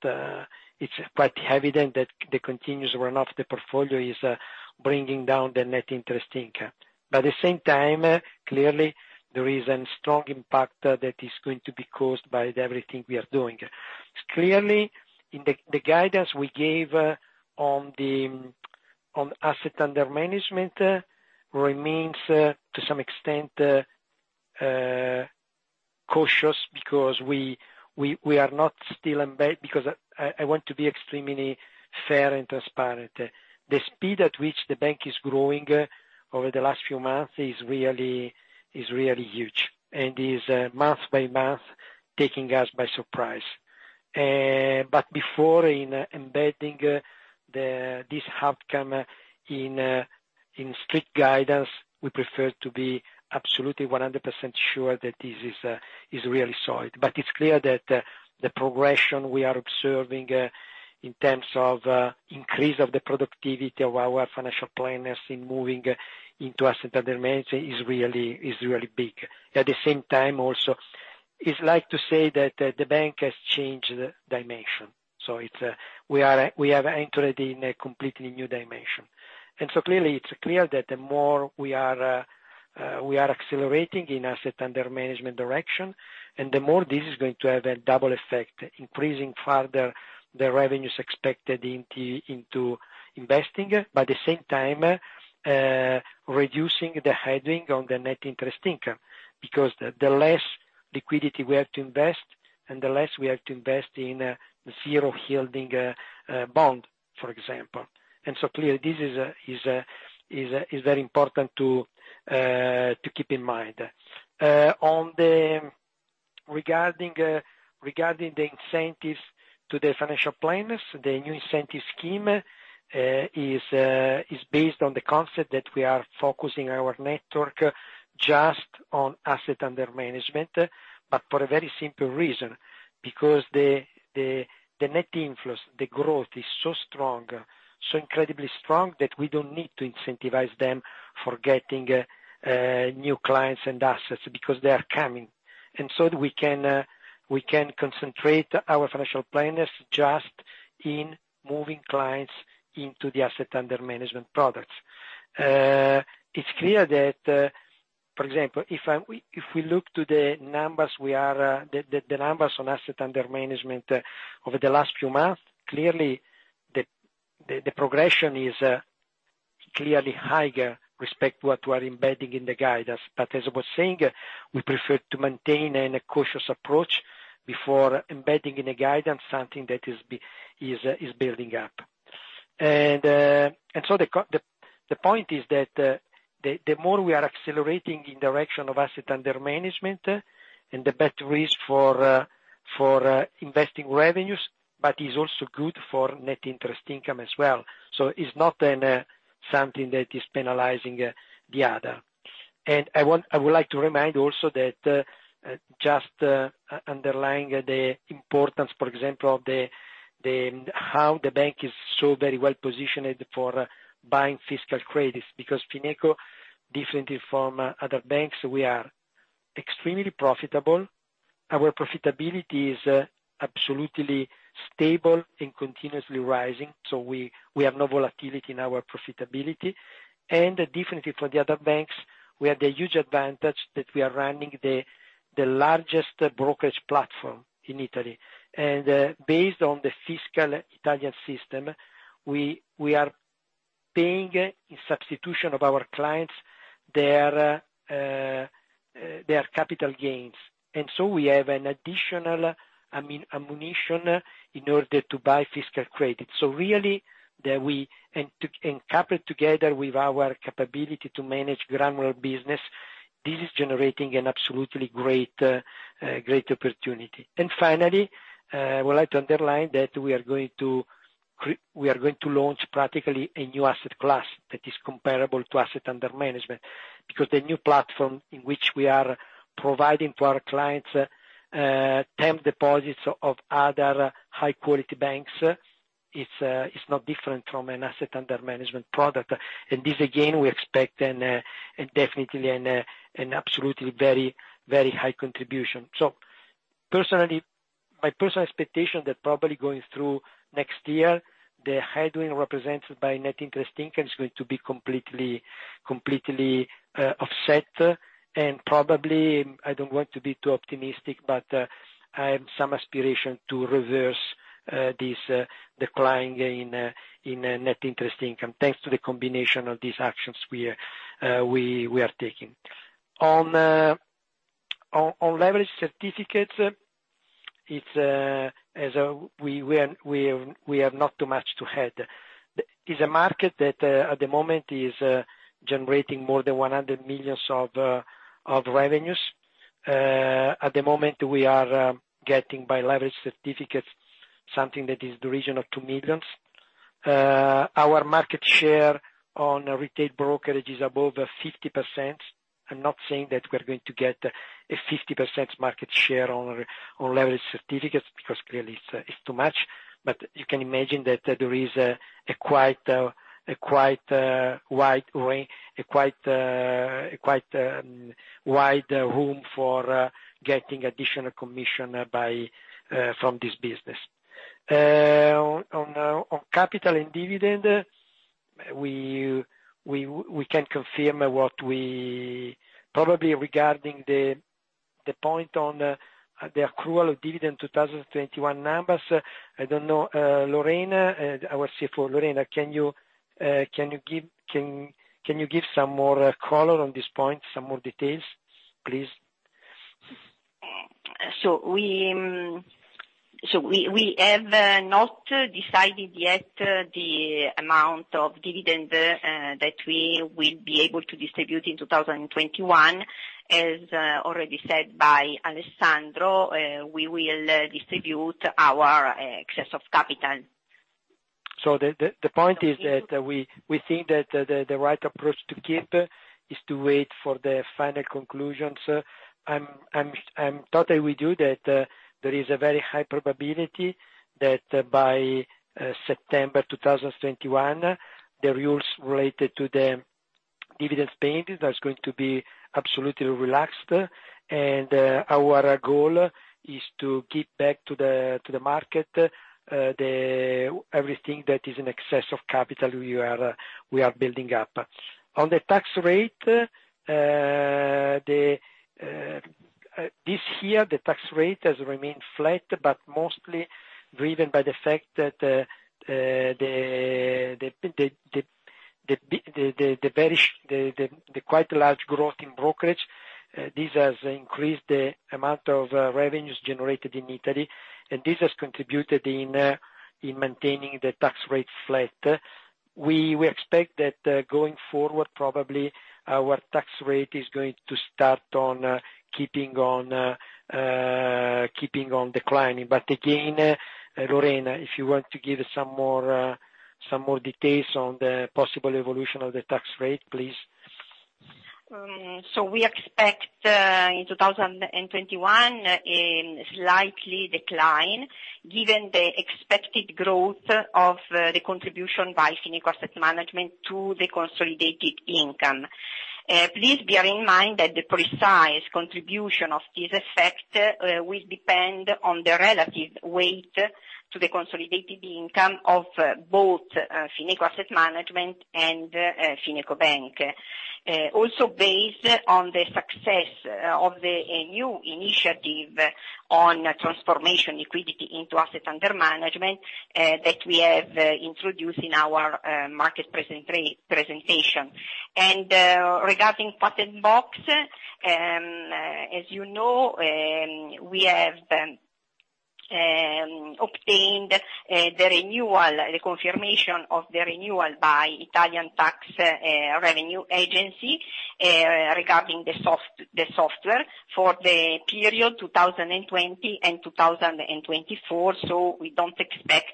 it's quite evident that the continuous run-off of the portfolio is bringing down the net interest income. At the same time, clearly there is a strong impact that is going to be caused by everything we are doing. Clearly, in the guidance we gave on Assets Under Management remains to some extent cautious because we are not still embed. Because I want to be extremely fair and transparent. The speed at which the bank is growing over the last few months is really huge and is month by month taking us by surprise. Before in embedding this outcome in strict guidance, we prefer to be absolutely 100% sure that this is really solid. It's clear that the progression we are observing in terms of increase of the productivity of our financial planners in moving into Assets Under Management is really big. At the same time also, it's like to say that the bank has changed dimension. We have entered in a completely new dimension. Clearly, it's clear that the more we are accelerating in Assets Under Management direction, and the more this is going to have a double effect, increasing further the revenues expected into investing. At the same time, reducing the heading on the net interest income, because the less liquidity we have to invest and the less we have to invest in zero yielding bond, for example. Clearly this is very important to keep in mind. Regarding the incentives to the financial planners, the new incentive scheme is based on the concept that we are focusing our network just on Assets Under Management, but for a very simple reason. The net inflows, the growth is so strong, so incredibly strong that we don't need to incentivize them for getting new clients and assets because they are coming. We can concentrate our financial planners just in moving clients into the Assets Under Management products. It's clear that, for example, if we look to the numbers we are, the numbers on Assets Under Management over the last few months, clearly the progression is clearly higher respect to what we are embedding in the guidance. As I was saying, we prefer to maintain a cautious approach before embedding in a guidance something that is building up. The point is that the more we are accelerating in direction of Assets Under Management and the better is for investing revenues, but is also good for net interest income as well. It's not then something that is penalizing the other. I would like to remind also that, underlying the importance, for example, of how the bank is so very well positioned for buying fiscal credits, because Fineco, differently from other banks, we are extremely profitable. Our profitability is absolutely stable and continuously rising, so we have no volatility in our profitability. Differently from the other banks, we have the huge advantage that we are running the largest brokerage platform in Italy. Based on the fiscal Italian system, we are paying in substitution of our clients their capital gains. We have an additional ammunition in order to buy fiscal credit. Coupled together with our capability to manage granular business, this is generating an absolutely great opportunity. Finally, I would like to underline that we are going to launch practically a new asset class that is comparable to Assets Under Management. Because the new platform in which we are providing for our clients, term deposits of other high quality banks, it's not different from an Assets Under Management product. This again, we expect definitely an absolutely very, very high contribution. Personally, my personal expectation that probably going through next year, the headwind represented by net interest income is going to be completely offset. Probably, I don't want to be too optimistic, but I have some aspiration to reverse this decline in net interest income, thanks to the combination of these actions we are taking. On leverage certificates, it's as we have not too much to add. Is a market that at the moment is generating more than 100 million of revenues. At the moment we are getting by leverage certificates, something that is the region of 2 million. Our market share on retail brokerage is above 50%. I'm not saying that we're going to get a 50% market share on leverage certificates, because clearly it's too much. You can imagine that there is a quite wide way, a quite wide room for getting additional commission from this business. On capital and dividend, we can confirm what we probably regarding the point on the accrual of dividend 2021 numbers. I don't know, Lorena, our CFO. Lorena, can you give some more color on this point, some more details, please? We have not decided yet the amount of dividend that we will be able to distribute in 2021. As already said by Alessandro, we will distribute our excess of capital. The point is that we think that the right approach to keep is to wait for the final conclusions. I'm totally with you that there is a very high probability that by September 2021, the rules related to the dividends paid is going to be absolutely relaxed. Our goal is to give back to the market everything that is in excess of capital we are building up. On the tax rate, this year, the tax rate has remained flat, but mostly driven by the fact that the very quite large growth in brokerage, this has increased the amount of revenues generated in Italy, and this has contributed in maintaining the tax rate flat. We expect that going forward, probably our tax rate is going to start on keeping on declining. Again, Lorena, if you want to give some more details on the possible evolution of the tax rate, please. We expect in 2021 a slightly decline given the expected growth of the contribution by Fineco Asset Management to the consolidated income. Please bear in mind that the precise contribution of this effect will depend on the relative weight to the consolidated income of both Fineco Asset Management and FinecoBank. Also based on the success of the new initiative on transformation liquidity into Assets Under Management that we have introduced in our market presentation. Regarding patent box, as you know, we have obtained the renewal, the confirmation of the renewal by Italian Tax Revenue Agency regarding the software for the period 2020 and 2024. We don't expect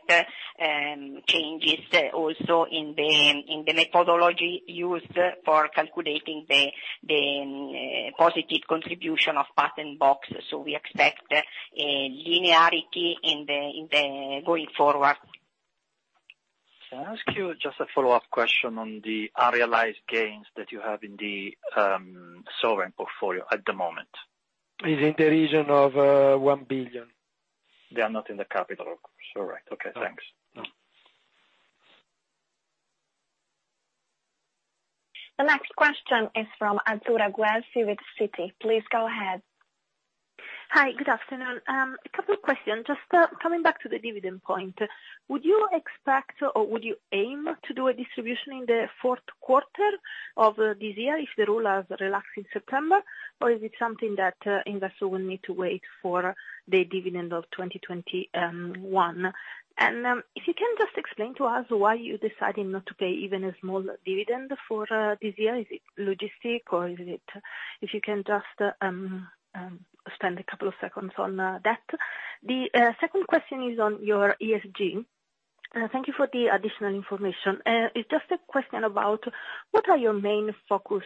changes also in the methodology used for calculating the positive contribution of patent box. We expect a linearity in the going forward. Can I ask you just a follow-up question on the unrealized gains that you have in the sovereign portfolio at the moment? Is in the region of 1 billion. They are not in the capital, of course. All right. Okay, thanks. No. The next question is from Azzurra Guelfi with Citi. Please go ahead. Hi. Good afternoon. A couple of questions. Coming back to the dividend point, would you expect or would you aim to do a distribution in the fourth quarter of this year if the rule has relaxed in September? Is it something that investors will need to wait for the dividend of 2021? If you can just explain to us why you decided not to pay even a small dividend for this year. Is it logistic or is it if you can just spend a couple of seconds on that. The second question is on your ESG. Thank you for the additional information. It's just a question about what are your main focus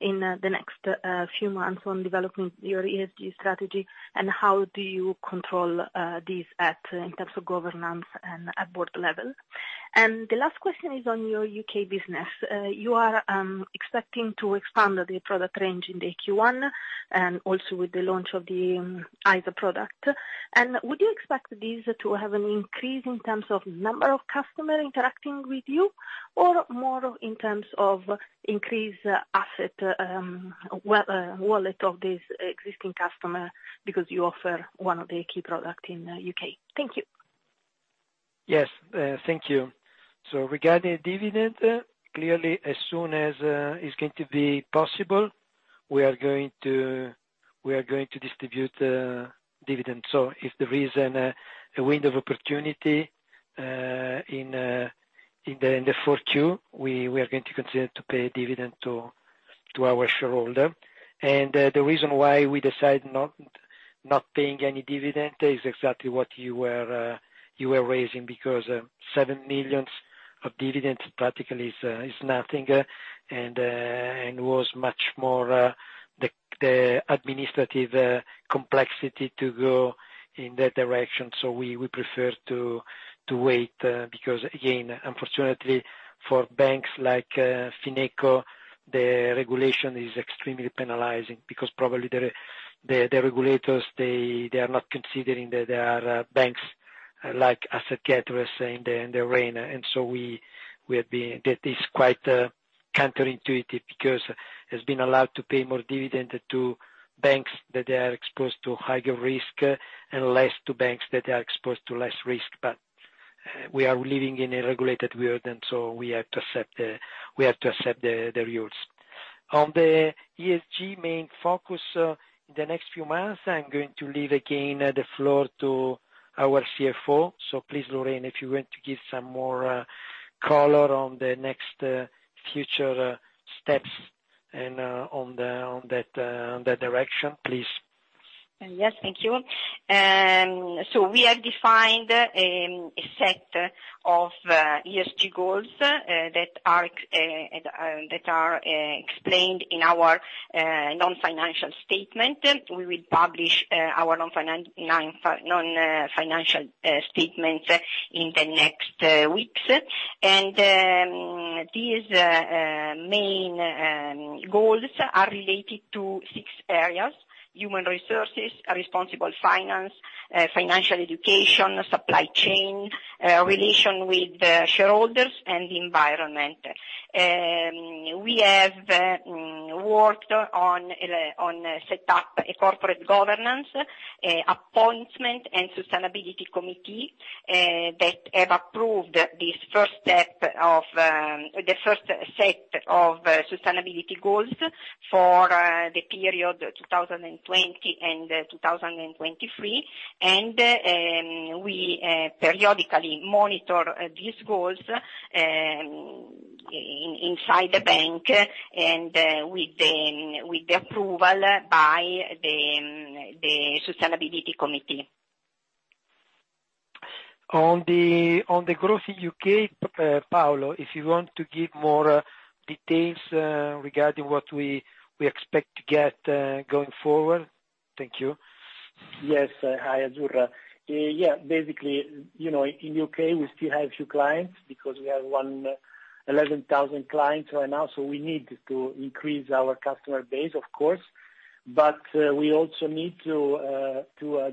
in the next few months on developing your ESG strategy and how do you control this at, in terms of governance and at board level? The last question is on your U.K. business. You are expecting to expand the product range in Q1 and also with the launch of the ISA product. Would you expect this to have an increase in terms of number of customer interacting with you, or more in terms of increased asset wallet of this existing customer because you offer one of the key product in the U.K.? Thank you. Yes. Thank you. Regarding the dividend, clearly, as soon as it's going to be possible, we are going to distribute the dividend. If there is a window of opportunity in the 4Q, we are going to consider to pay a dividend to our shareholder. The reason why we decide not paying any dividend is exactly what you were raising because 7 million of dividends practically is nothing. Was much more the administrative complexity to go in that direction. We prefer to wait because again, unfortunately for banks like Fineco, the regulation is extremely penalizing because probably the regulators, they are not considering that there are banks like asset gatherer in the reign. That is quite counterintuitive because it has been allowed to pay more dividend to banks that they are exposed to higher risk and less to banks that are exposed to less risk. We are living in a regulated world, and so we have to accept the rules. On the ESG main focus, in the next few months, I'm going to leave again the floor to our CFO. Please, Lorena, if you want to give some more color on the next future steps and on the, on that direction, please. Yes, thank you. We have defined a set of ESG goals that are explained in our non-financial statement. We will publish our financial statement in the next weeks. These main goals are related to six areas: human resources, responsible finance, financial education, supply chain, relation with the shareholders and the environment. We have worked on set up a corporate governance appointment and sustainability committee that have approved this first step of the first set of sustainability goals for the period 2020 and 2023. We periodically monitor these goals inside the bank and with the approval by the sustainability committee. On the growth in U.K., Paolo, if you want to give more details regarding what we expect to get going forward. Thank you. Yes. Hi, Azzurra. Basically, you know, in U.K. we still have a few clients because we have 11,000 clients right now. We need to increase our customer base, of course. We also need to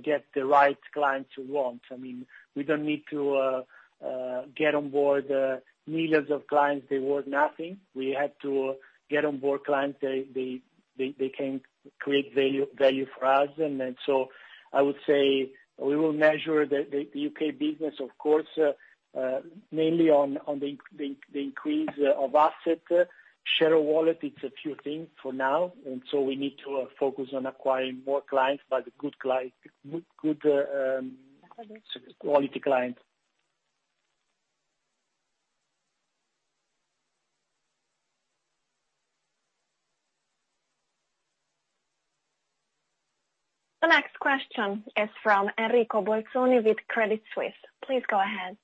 get the right clients we want. I mean, we don't need to get on board millions of clients, they worth nothing. We have to get on board clients they can create value for us. I would say we will measure the U.K. business, of course, mainly on the increase of asset share wallet. It's a few things for now. We need to focus on acquiring more clients, but good quality clients. The next question is from Enrico Bolzoni with Credit Suisse. Please go ahead.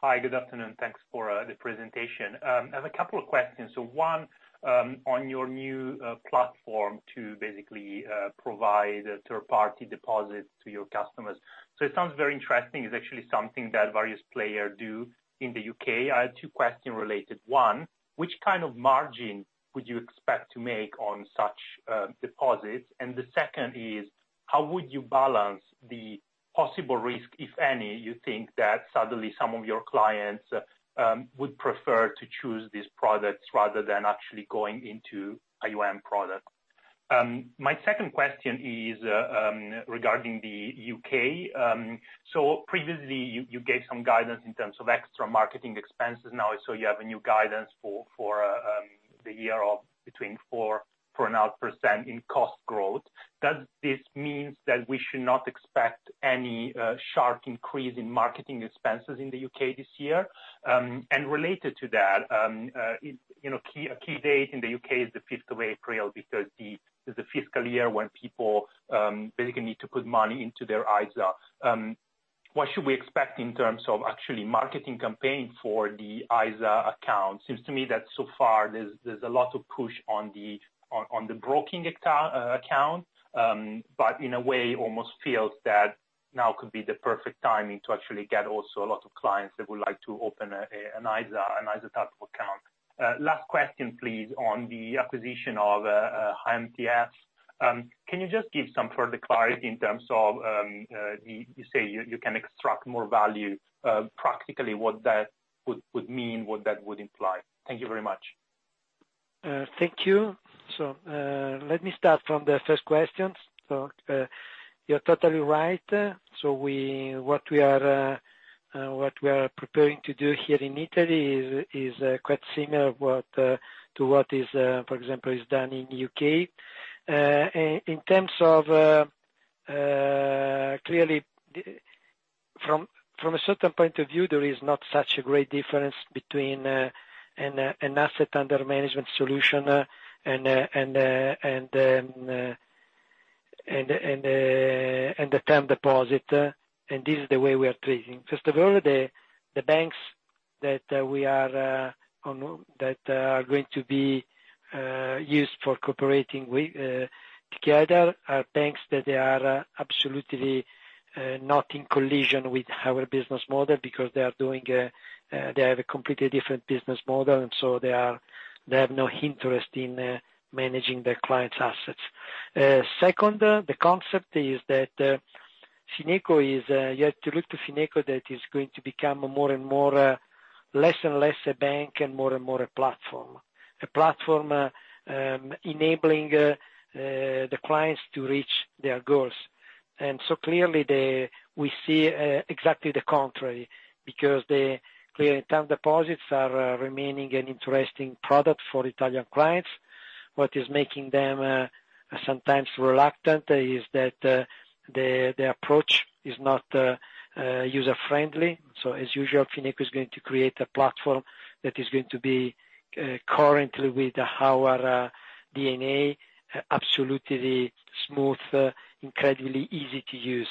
Hi, good afternoon. Thanks for the presentation. I have a couple of questions. One on your new platform to basically provide a third-party deposit to your customers. It sounds very interesting. It's actually something that various player do in the U.K. I have two question related. One, which kind of margin would you expect to make on such deposits? The second is, how would you balance the possible risk, if any, you think that suddenly some of your clients would prefer to choose these products rather than actually going into AUM product? My second question is regarding the U.K. Previously you gave some guidance in terms of extra marketing expenses. Now you have a new guidance for the year of between 4%-4.5% in cost growth. Does this means that we should not expect any sharp increase in marketing expenses in the U.K. this year? Related to that, you know, a key date in the U.K. is the fifth of April because it's the fiscal year when people basically need to put money into their ISA. What should we expect in terms of actually marketing campaign for the ISA account? Seems to me that so far there's a lot of push on the broking account. In a way almost feels that now could be the perfect timing to actually get also a lot of clients that would like to open an ISA type of account. Last question please, on the acquisition of Hi-MTF. Can you just give some further clarity in terms of, you say you can extract more value, practically what that would mean, what that would imply? Thank you very much. Thank you. Let me start from the first questions. You're totally right. What we are preparing to do here in Italy is quite similar to what is, for example, done in U.K. In terms of, clearly from a certain point of view, there is not such a great difference between an Assets Under Management solution and the term deposit, and this is the way we are treating. First of all, the banks that we are on board, that are going to be used for cooperating we together are banks that they are absolutely not in collision with our business model because they are doing, they have a completely different business model and so they are, they have no interest in managing their clients' assets. Second, the concept is that Fineco is, you have to look to Fineco that is going to become more and more, less and less a bank and more and more a platform. A platform enabling the clients to reach their goals. Clearly we see exactly the contrary because the clear term deposits are remaining an interesting product for Italian clients. What is making them sometimes reluctant is that the approach is not user-friendly. As usual, Fineco is going to create a platform that is going to be currently with our DNA, absolutely smooth, incredibly easy to use.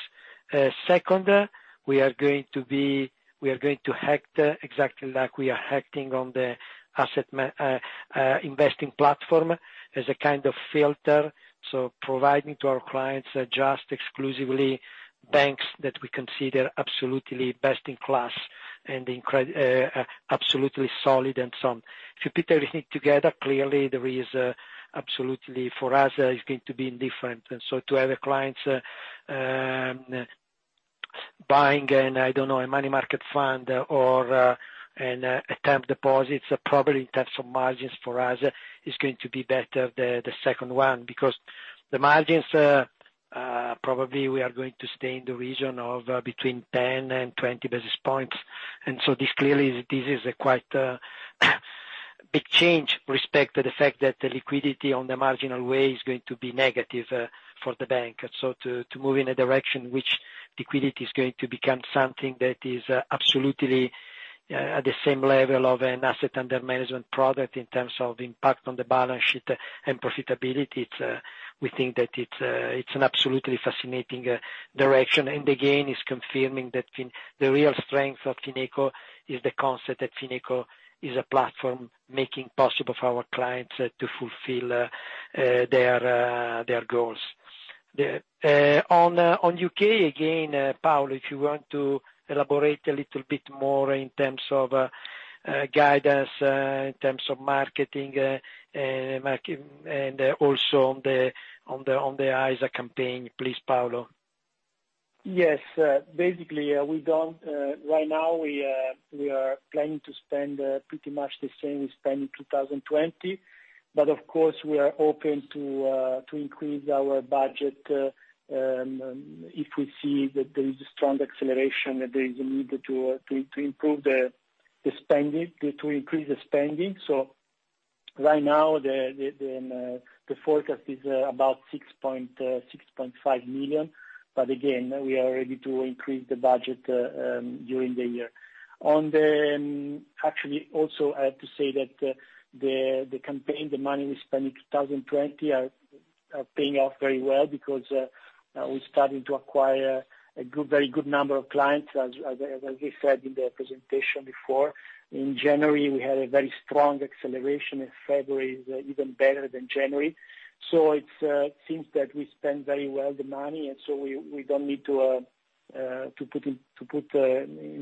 Second, we are going to act exactly like we are acting on the asset investing platform as a kind of filter, so providing to our clients just exclusively banks that we consider absolutely best in class and absolutely solid and sound. If you put everything together, clearly there is absolutely for us, it's going to be different. To have the clients, buying an, I don't know, a money market fund or, an, a term deposit, probably in terms of margins for us is going to be better the second one. The margins, probably we are going to stay in the region of between 10 basis point and 20 basis points. This clearly, this is a quite, big change respect to the fact that the liquidity on the marginal way is going to be negative, for the bank. To move in a direction which liquidity is going to become something that is, absolutely, at the same level of an Assets Under Management product in terms of impact on the balance sheet and profitability. It's, we think that it's an absolutely fascinating, direction. Again, it's confirming that the real strength of Fineco is the concept that Fineco is a platform making possible for our clients to fulfill their goals. On U.K. again, Paolo, if you want to elaborate a little bit more in terms of guidance in terms of marketing and market And also on the ISA campaign, please, Paolo. Yes. Basically, we don't, right now we are planning to spend pretty much the same we spent in 2020. Of course, we are open to increase our budget if we see that there is a strong acceleration, that there is a need to improve the spending, to increase the spending. Right now the forecast is about 6.5 million. Again, we are ready to increase the budget during the year. On the, actually also I have to say that the campaign, the money we spent in 2020 are paying off very well because we're starting to acquire a good, very good number of clients as we said in the presentation before. In January, we had a very strong acceleration. In February, even better than January. It seems that we spent very well the money, and so we don't need to put in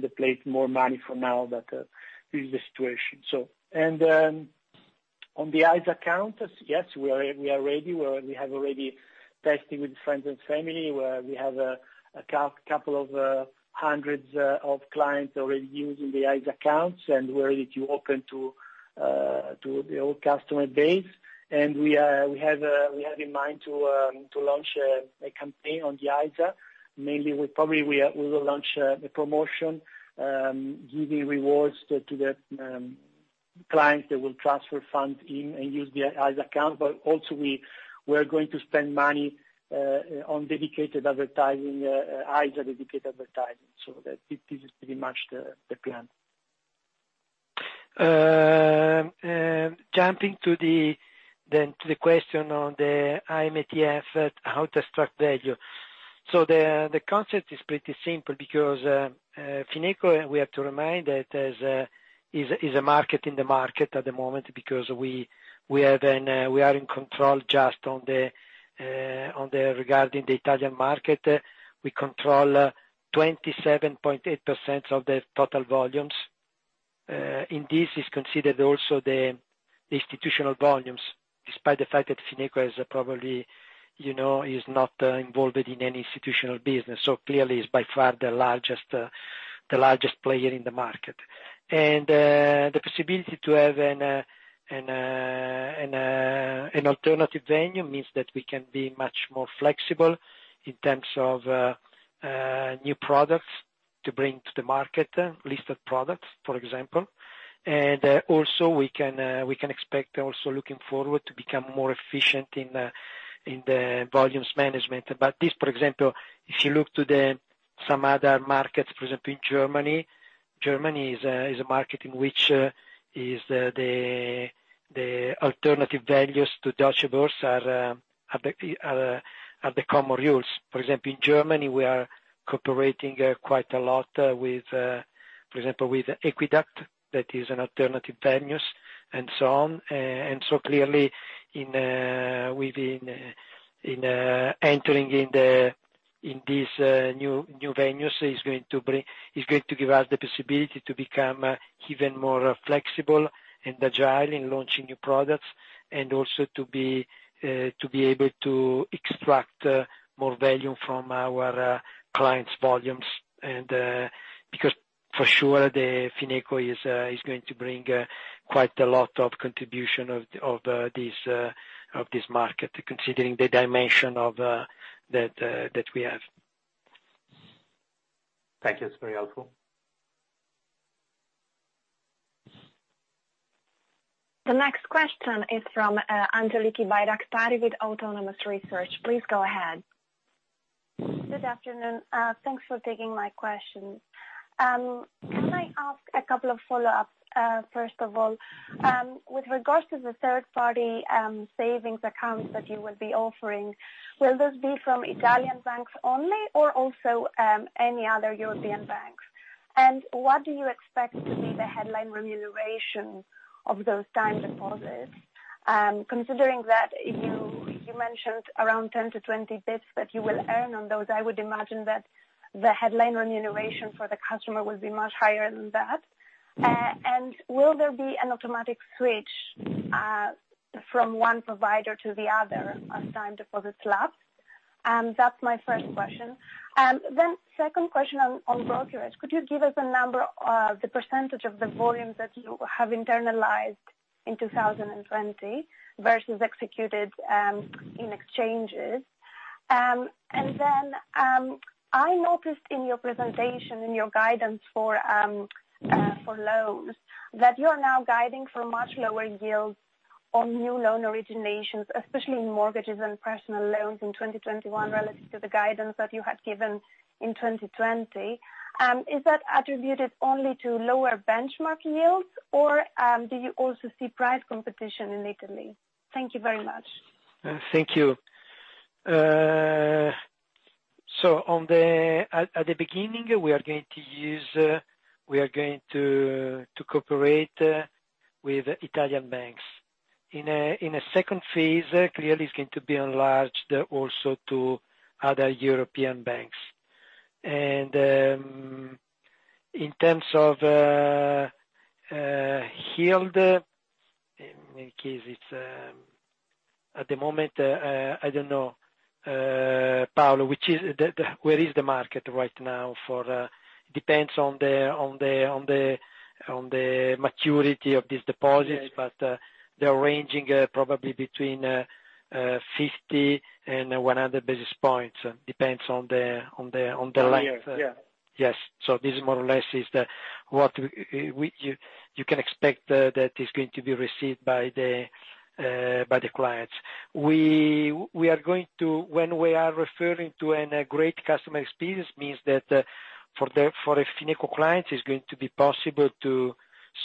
the place more money for now, but this is the situation. On the ISA account, yes, we are ready. We have already tested with friends and family where we have a couple of hundreds of clients already using the ISA accounts and ready to open to the old customer base. We have in mind to launch a campaign on the ISA. Mainly we probably we will launch a promotion giving rewards to the clients that will transfer funds in and use the ISA account. Also we are going to spend money on dedicated advertising, ISA dedicated advertising. This is pretty much the plan. Jumping to the question on the Hi-MTF, how to extract value. The, the concept is pretty simple because Fineco, we have to remind that is a, is a market in the market at the moment because we are then, we are in control just on the regarding the Italian market. We control 27.8% of the total volumes. In this is considered also the institutional volumes, despite the fact that Fineco is probably, you know, is not involved in any institutional business. Clearly is by far the largest, the largest player in the market. The possibility to have an, an alternative venue means that we can be much more flexible in terms of new products to bring to the market, listed products, for example. Also we can, we can expect also looking forward to become more efficient in the volumes management. This, for example, if you look to some other markets, for example, in Germany. Germany is a market in which is the, the alternative values to Deutsche Börse are the common rules. For example, in Germany, we are cooperating quite a lot with, for example, with Equiduct, that is an alternative venues and so on. Clearly in within in entering in this new venues is going to give us the possibility to become even more flexible and agile in launching new products. To be able to extract more value from our clients' volumes. Because for sure the Fineco is going to bring quite a lot of contribution of this market, considering the dimension that we have. Thank you. It's very helpful. The next question is from Angeliki Bairaktari with Autonomous Research. Please go ahead. Good afternoon. Thanks for taking my question. Can I ask a couple of follow-ups, first of all? With regards to the third party savings accounts that you will be offering, will this be from Italian banks only or also any other European banks? What do you expect to be the headline remuneration of those time deposits? Considering that you mentioned around 10 bps to 20 bps that you will earn on those, I would imagine that the headline remuneration for the customer will be much higher than that. Will there be an automatic switch from one provider to the other as time deposits lapse? That's my first question. Second question on brokerage. Could you give us a number of the percentage of the volumes that you have internalized in 2020 versus executed in exchanges? I noticed in your presentation, in your guidance for loans, that you are now guiding for much lower yields on new loan originations, especially in mortgages and personal loans in 2021 relative to the guidance that you had given in 2020. Is that attributed only to lower benchmark yields or do you also see price competition in Italy? Thank you very much. Thank you. At the beginning, we are going to use, we are going to cooperate with Italian banks. In a second phase, clearly it's going to be enlarged also to other European banks. In terms of yield, in case it's at the moment, I don't know, Paolo, where is the market right now for depends on the maturity of these deposits. They're ranging probably between 50 basis points and 100 basis points. Depends on the length. On year. Yeah. Yes. This more or less is the, what we, you can expect, that is going to be received by the clients. When we are referring to a great customer experience means that, for a Fineco client, it's going to be possible to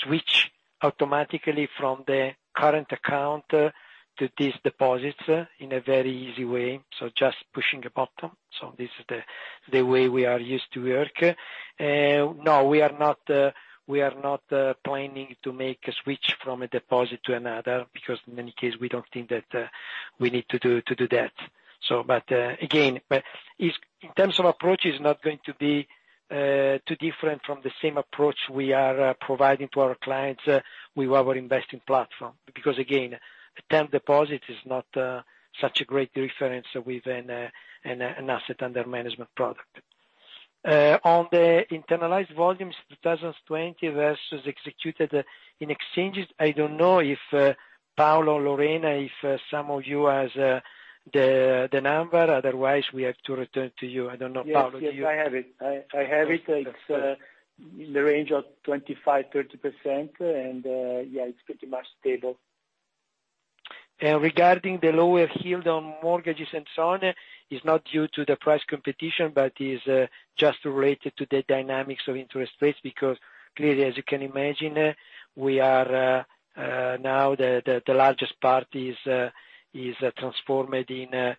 switch automatically from the current account to these deposits in a very easy way, so just pushing a button. This is the way we are used to work. No, we are not, we are not planning to make a switch from a deposit to another because in any case, we don't think that we need to do that. Again, but in terms of approach, it's not going to be too different from the same approach we are providing to our clients with our investing platform. Again, a term deposit is not such a great difference with an Assets Under Management product. On the internalized volumes 2020 versus executed in exchanges, I don't know if Paolo or Lorena, if some of you has the number, otherwise we have to return to you. I don't know, Paolo, do you? Yes. Yes, I have it. I have it. Okay. It's, in the range of 25%-30%. Yeah, it's pretty much stable. Regarding the lower yield on mortgages and so on, is not due to the price competition, but is just related to the dynamics of interest rates. Clearly, as you can imagine, we are now the largest part is transformed in a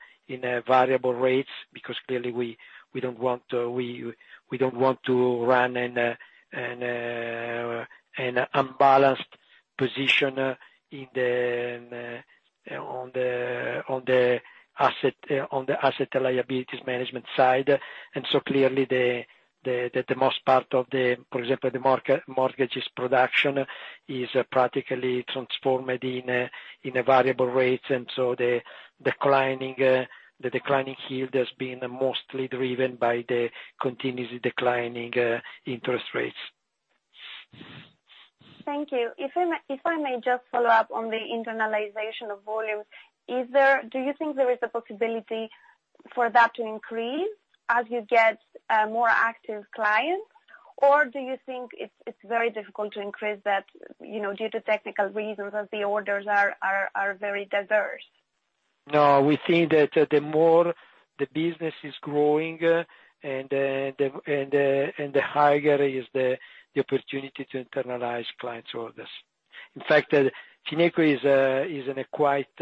variable rates, because clearly we don't want to run an unbalanced position on the asset liabilities management side. Clearly the most part of the, for example, the mortgages production is practically transformed in a variable rates. The declining yield has been mostly driven by the continuously declining interest rates. Thank you. If I may just follow up on the internalization of volumes. Do you think there is a possibility for that to increase as you get more active clients? Or do you think it's very difficult to increase that, you know, due to technical reasons as the orders are very diverse? No, we think that the more the business is growing and the higher is the opportunity to internalize clients orders. In fact, Fineco is in a quite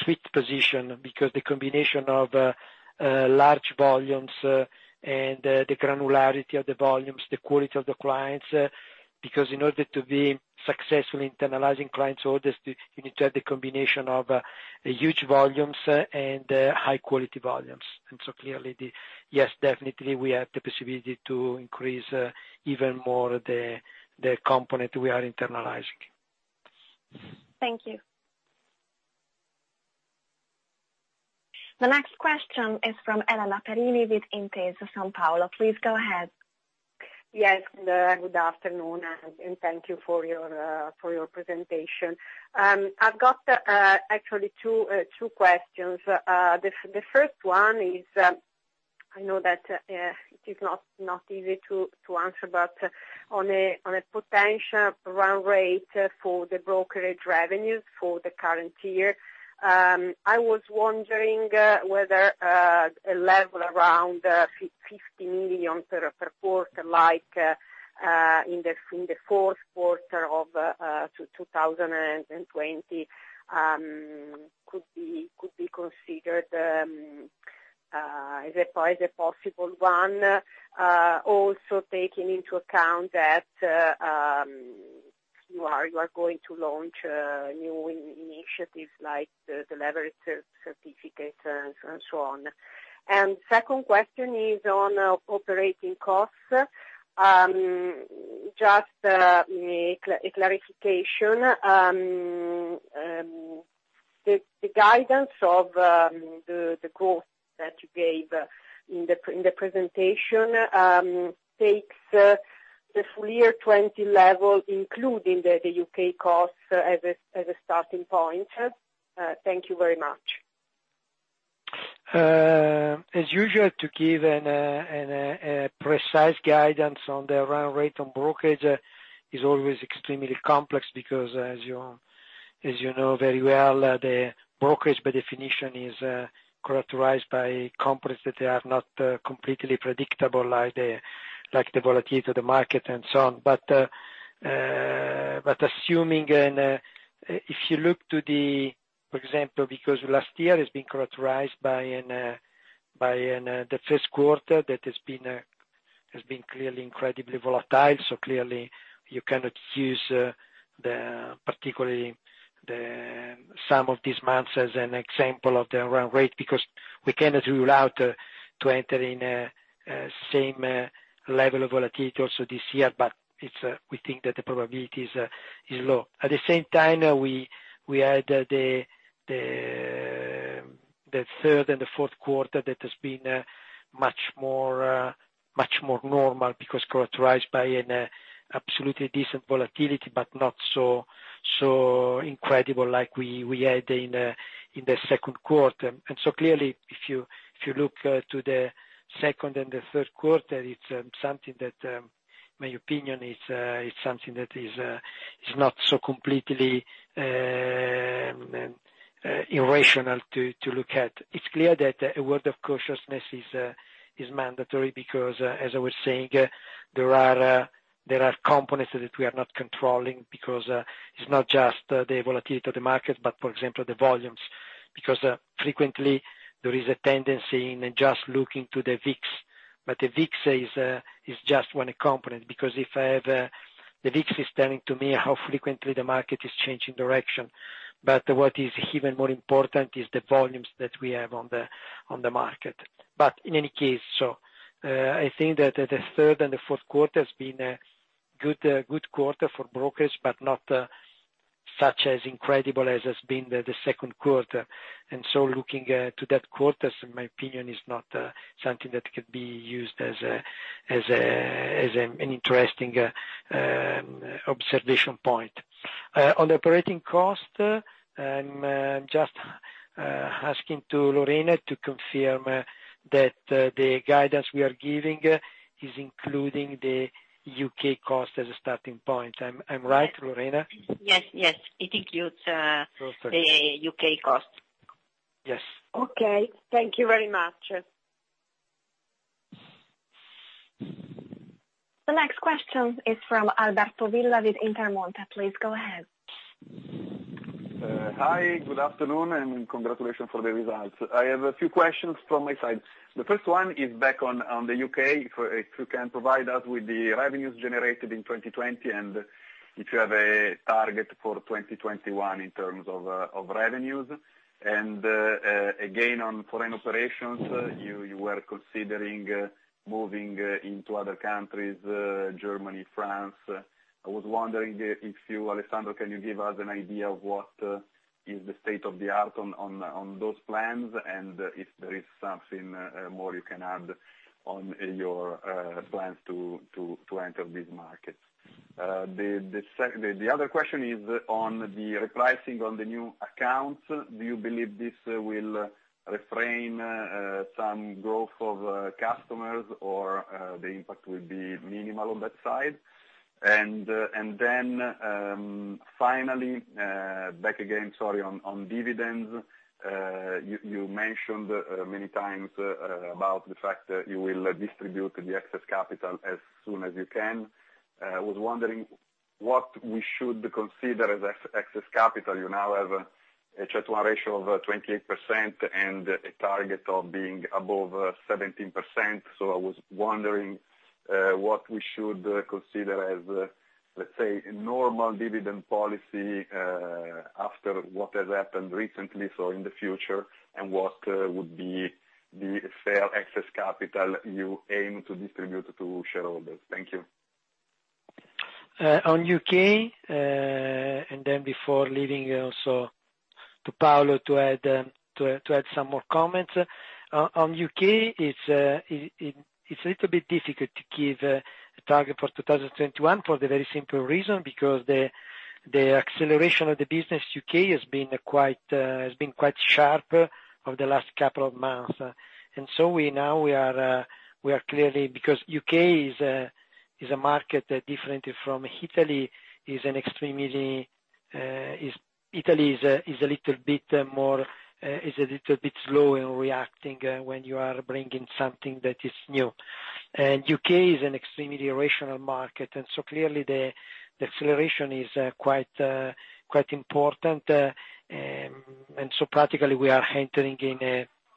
sweet position because the combination of large volumes and the granularity of the volumes, the quality of the clients. Because in order to be successful in internalizing clients orders, you need to have the combination of huge volumes and high quality volumes. Clearly the yes, definitely, we have the possibility to increase even more the component we are internalizing. Thank you. The next question is from Elena Perini with Intesa Sanpaolo. Please go ahead. Yes, good afternoon, and thank you for your presentation. I've got actually two questions. The first one is, I know that it is not easy to answer, but on a potential run rate for the brokerage revenues for the current year, I was wondering whether a level around 50 million per quarter, like in the fourth quarter of 2020, could be considered as a possible one. Also taking into account that you are going to launch new initiatives like the leverage certificate and so on. Second question is on operating costs. Just a clarification. The guidance of the growth that you gave in the presentation takes the full year 20 level, including the U.K. costs as a starting point. Thank you very much. As usual, to give a precise guidance on the run rate on brokerage is always extremely complex because as you know very well, the brokerage by definition is characterized by companies that they are not completely predictable, like the volatility of the market and so on. Assuming if you look to the, for example, because last year has been characterized by the first quarter that has been clearly incredibly volatile. Clearly you cannot use the, particularly the sum of these months as an example of the run rate because we cannot rule out to enter in a same level of volatility also this year, but it's we think that the probability is low. At the same time, we had the third and the fourth quarter that has been much more normal because characterized by an absolutely decent volatility, but not so incredible like we had in the second quarter. Clearly if you look to the second and the third quarter, it's something that my opinion is something that is not so completely irrational to look at. It's clear that a word of cautiousness is mandatory because as I was saying, there are components that we are not controlling because it's not just the volatility of the market, but for example, the volumes. Frequently there is a tendency in just looking to the VIX. The VIX is just one component, because if I have, the VIX is telling to me how frequently the market is changing direction. What is even more important is the volumes that we have on the market. In any case, I think that the third and the fourth quarter has been a good quarter for brokers, but not such as incredible as has been the second quarter. Looking to that quarter, in my opinion, is not something that could be used as an interesting observation point. On the operating cost, just asking Lorena to confirm that the guidance we are giving is including the U.K. cost as a starting point. Am I right, Lorena? Yes. Yes. It includes. Perfect the U.K. cost. Yes. Okay. Thank you very much. The next question is from Alberto Villa with Intermonte. Please go ahead. Hi, good afternoon and congratulations for the results. I have a few questions from my side. The first one is back on the U.K. for if you can provide us with the revenues generated in 2020, and if you have a target for 2021 in terms of revenues. Again, on foreign operations, you were considering moving into other countries, Germany, France. I was wondering if you, Alessandro, can you give us an idea of what is the state of the art on those plans, and if there is something more you can add on your plans to enter these markets? The other question is on the repricing on the new accounts. Do you believe this will refrain some growth of customers or the impact will be minimal on that side? Then, finally, back again, sorry, on dividends. You mentioned many times about the fact that you will distribute the excess capital as soon as you can. I was wondering what we should consider as ex-excess capital. You now have a CET1 ratio of 28% and a target of being above 17%. I was wondering what we should consider as, let's say, a normal dividend policy, after what has happened recently, so in the future, and what would be the fair excess capital you aim to distribute to shareholders. Thank you. On U.K., then before leaving also to Paolo to add some more comments. On U.K., it's a little bit difficult to give a target for 2021 for the very simple reason because the acceleration of the business U.K. has been quite sharp over the last couple of months. We now we are clearly because U.K. is a market different from Italy, is an extremely. Italy is a little bit more, is a little bit slow in reacting when you are bringing something that is new. U.K. is an extremely irrational market. Clearly the acceleration is quite important. Practically we are entering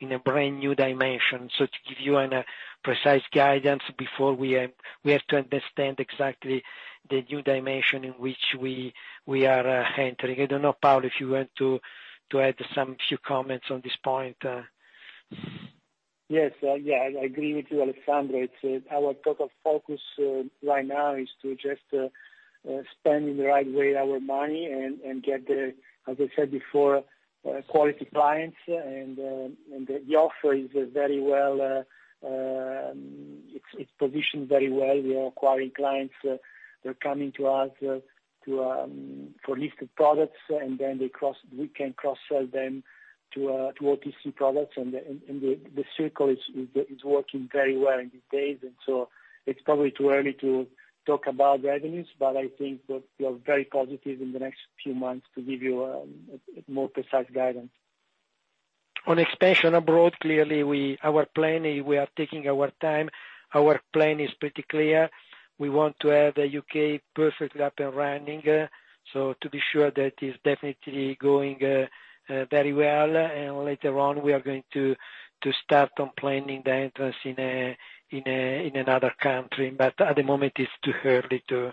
in a brand-new dimension. To give you an precise guidance before we have to understand exactly the new dimension in which we are entering. I don't know, Paolo, if you want to add some few comments on this point. Yes. Yeah, I agree with you, Alessandro. It's our total focus right now is to just spend in the right way our money and get the, as I said before, quality clients. The offer is very well, it's positioned very well. We are acquiring clients that are coming to us to for listed products, then we can cross-sell them to OTC products. The circle is working very well in these days. It's probably too early to talk about revenues, but I think that we are very positive in the next few months to give you a more precise guidance. On expansion abroad, clearly our plan is we are taking our time. Our plan is pretty clear. We want to have the U.K. perfectly up and running, so to be sure that is definitely going very well. Later on, we are going to start on planning the entrance in another country. At the moment, it's too early to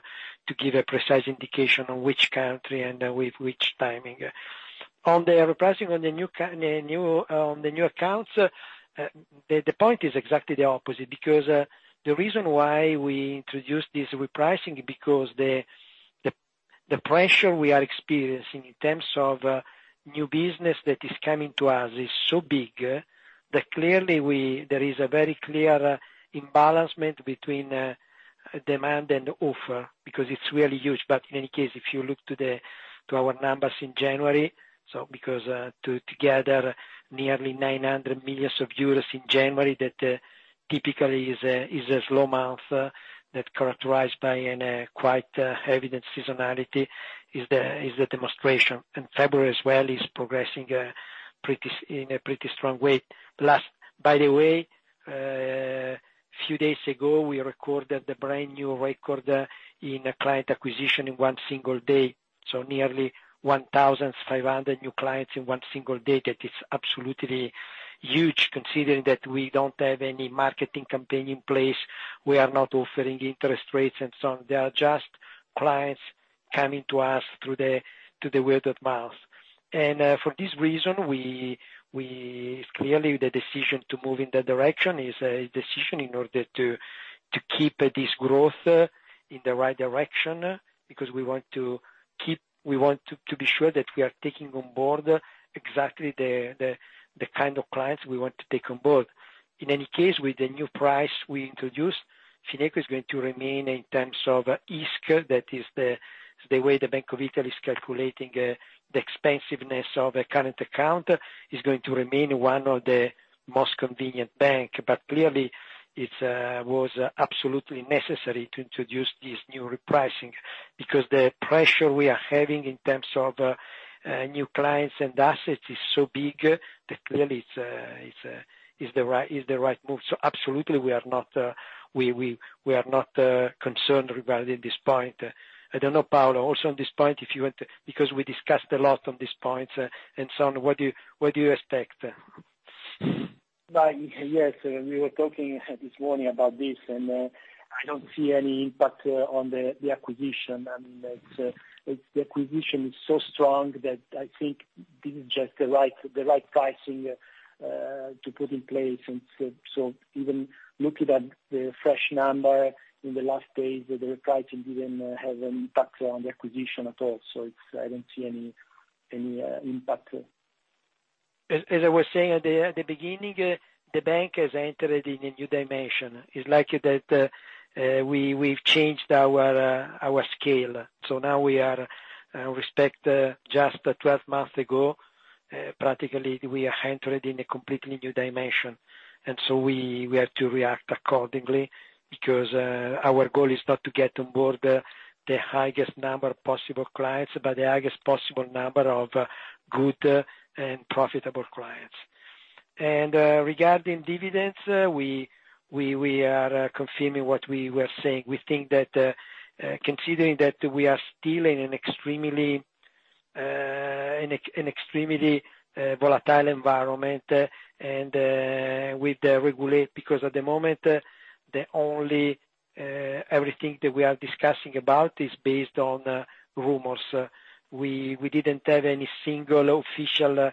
give a precise indication on which country and with which timing. On the repricing on the new accounts, the point is exactly the opposite. The reason why we introduced this repricing, because the pressure we are experiencing in terms of new business that is coming to us is so big that clearly there is a very clear imbalance between demand and offer because it's really huge. In any case, if you look to our numbers in January, nearly 900 million euros in January, that typically is a slow month that's characterized by quite evident seasonality is the demonstration. February as well is progressing very well, in a pretty strong way. By the way, few days ago, we recorded a brand new record in client acquisition in one single day. Nearly 1,500 new clients in one single day. That is absolutely huge, considering that we don't have any marketing campaign in place, we are not offering interest rates and so on. They are just clients coming to us through the word of mouth. For this reason, we Clearly, the decision to move in that direction is a decision in order to keep this growth in the right direction, because we want to be sure that we are taking on board exactly the kind of clients we want to take on board. In any case, with the new price we introduced, Fineco is going to remain in terms of ISC, that is the way the Bank of Italy is calculating the expensiveness of a current account, is going to remain one of the most convenient bank. Clearly, it was absolutely necessary to introduce this new repricing because the pressure we are having in terms of new clients and assets is so big that clearly it's the right move. Absolutely we are not concerned regarding this point. I don't know, Paolo, also on this point, if you want to Because we discussed a lot on these points, and so on, what do you expect? Like, yes, we were talking this morning about this, I don't see any impact on the acquisition. I mean, it's the acquisition is so strong that I think this is just the right pricing to put in place. Even looking at the fresh number in the last days, the repricing didn't have an impact on the acquisition at all. It's, I don't see any impact. As I was saying at the beginning, the bank has entered in a new dimension. It's likely that we've changed our scale. Now we are, respect, just 12 months ago, practically we are entered in a completely new dimension. We have to react accordingly because our goal is not to get on board the highest number possible clients, but the highest possible number of good and profitable clients. Regarding dividends, we are confirming what we were saying. We think that, considering that we are still in an extremely volatile environment, and with the regulate, because at the moment, the only everything that we are discussing about is based on rumors. We didn't have any single official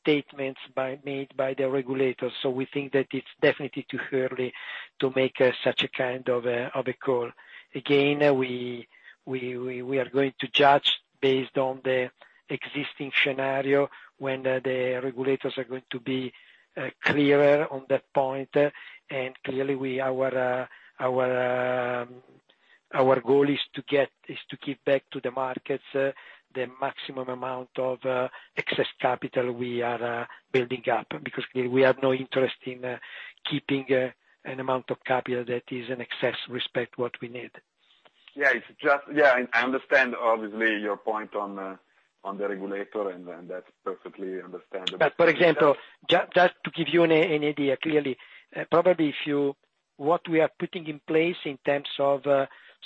statements made by the regulators. We think that it's definitely too early to make such a kind of a call. Again, we are going to judge based on the existing scenario when the regulators are going to be clearer on that point. Clearly our goal is to give back to the markets the maximum amount of excess capital we are building up, because we have no interest in keeping an amount of capital that is in excess of what we need. Yeah, it's just I understand obviously your point on the regulator and that's perfectly understandable. For example, just to give you an idea, clearly, probably what we are putting in place in terms of,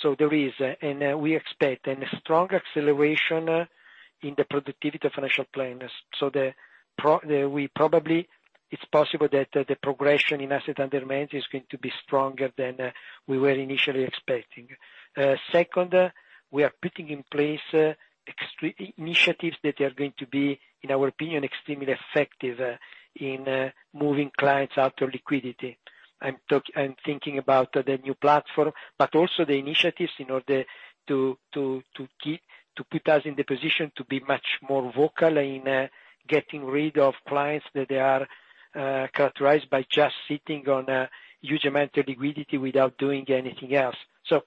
so there is, and we expect a strong acceleration in the productivity of financial planners. The, we probably, it's possible that the progression in Assets Under Management is going to be stronger than we were initially expecting. Second, we are putting in place extreme initiatives that are going to be, in our opinion, extremely effective in moving clients out of liquidity. I'm thinking about the new platform, also the initiatives in order to keep, to put us in the position to be much more vocal in getting rid of clients that they are characterized by just sitting on a huge amount of liquidity without doing anything else.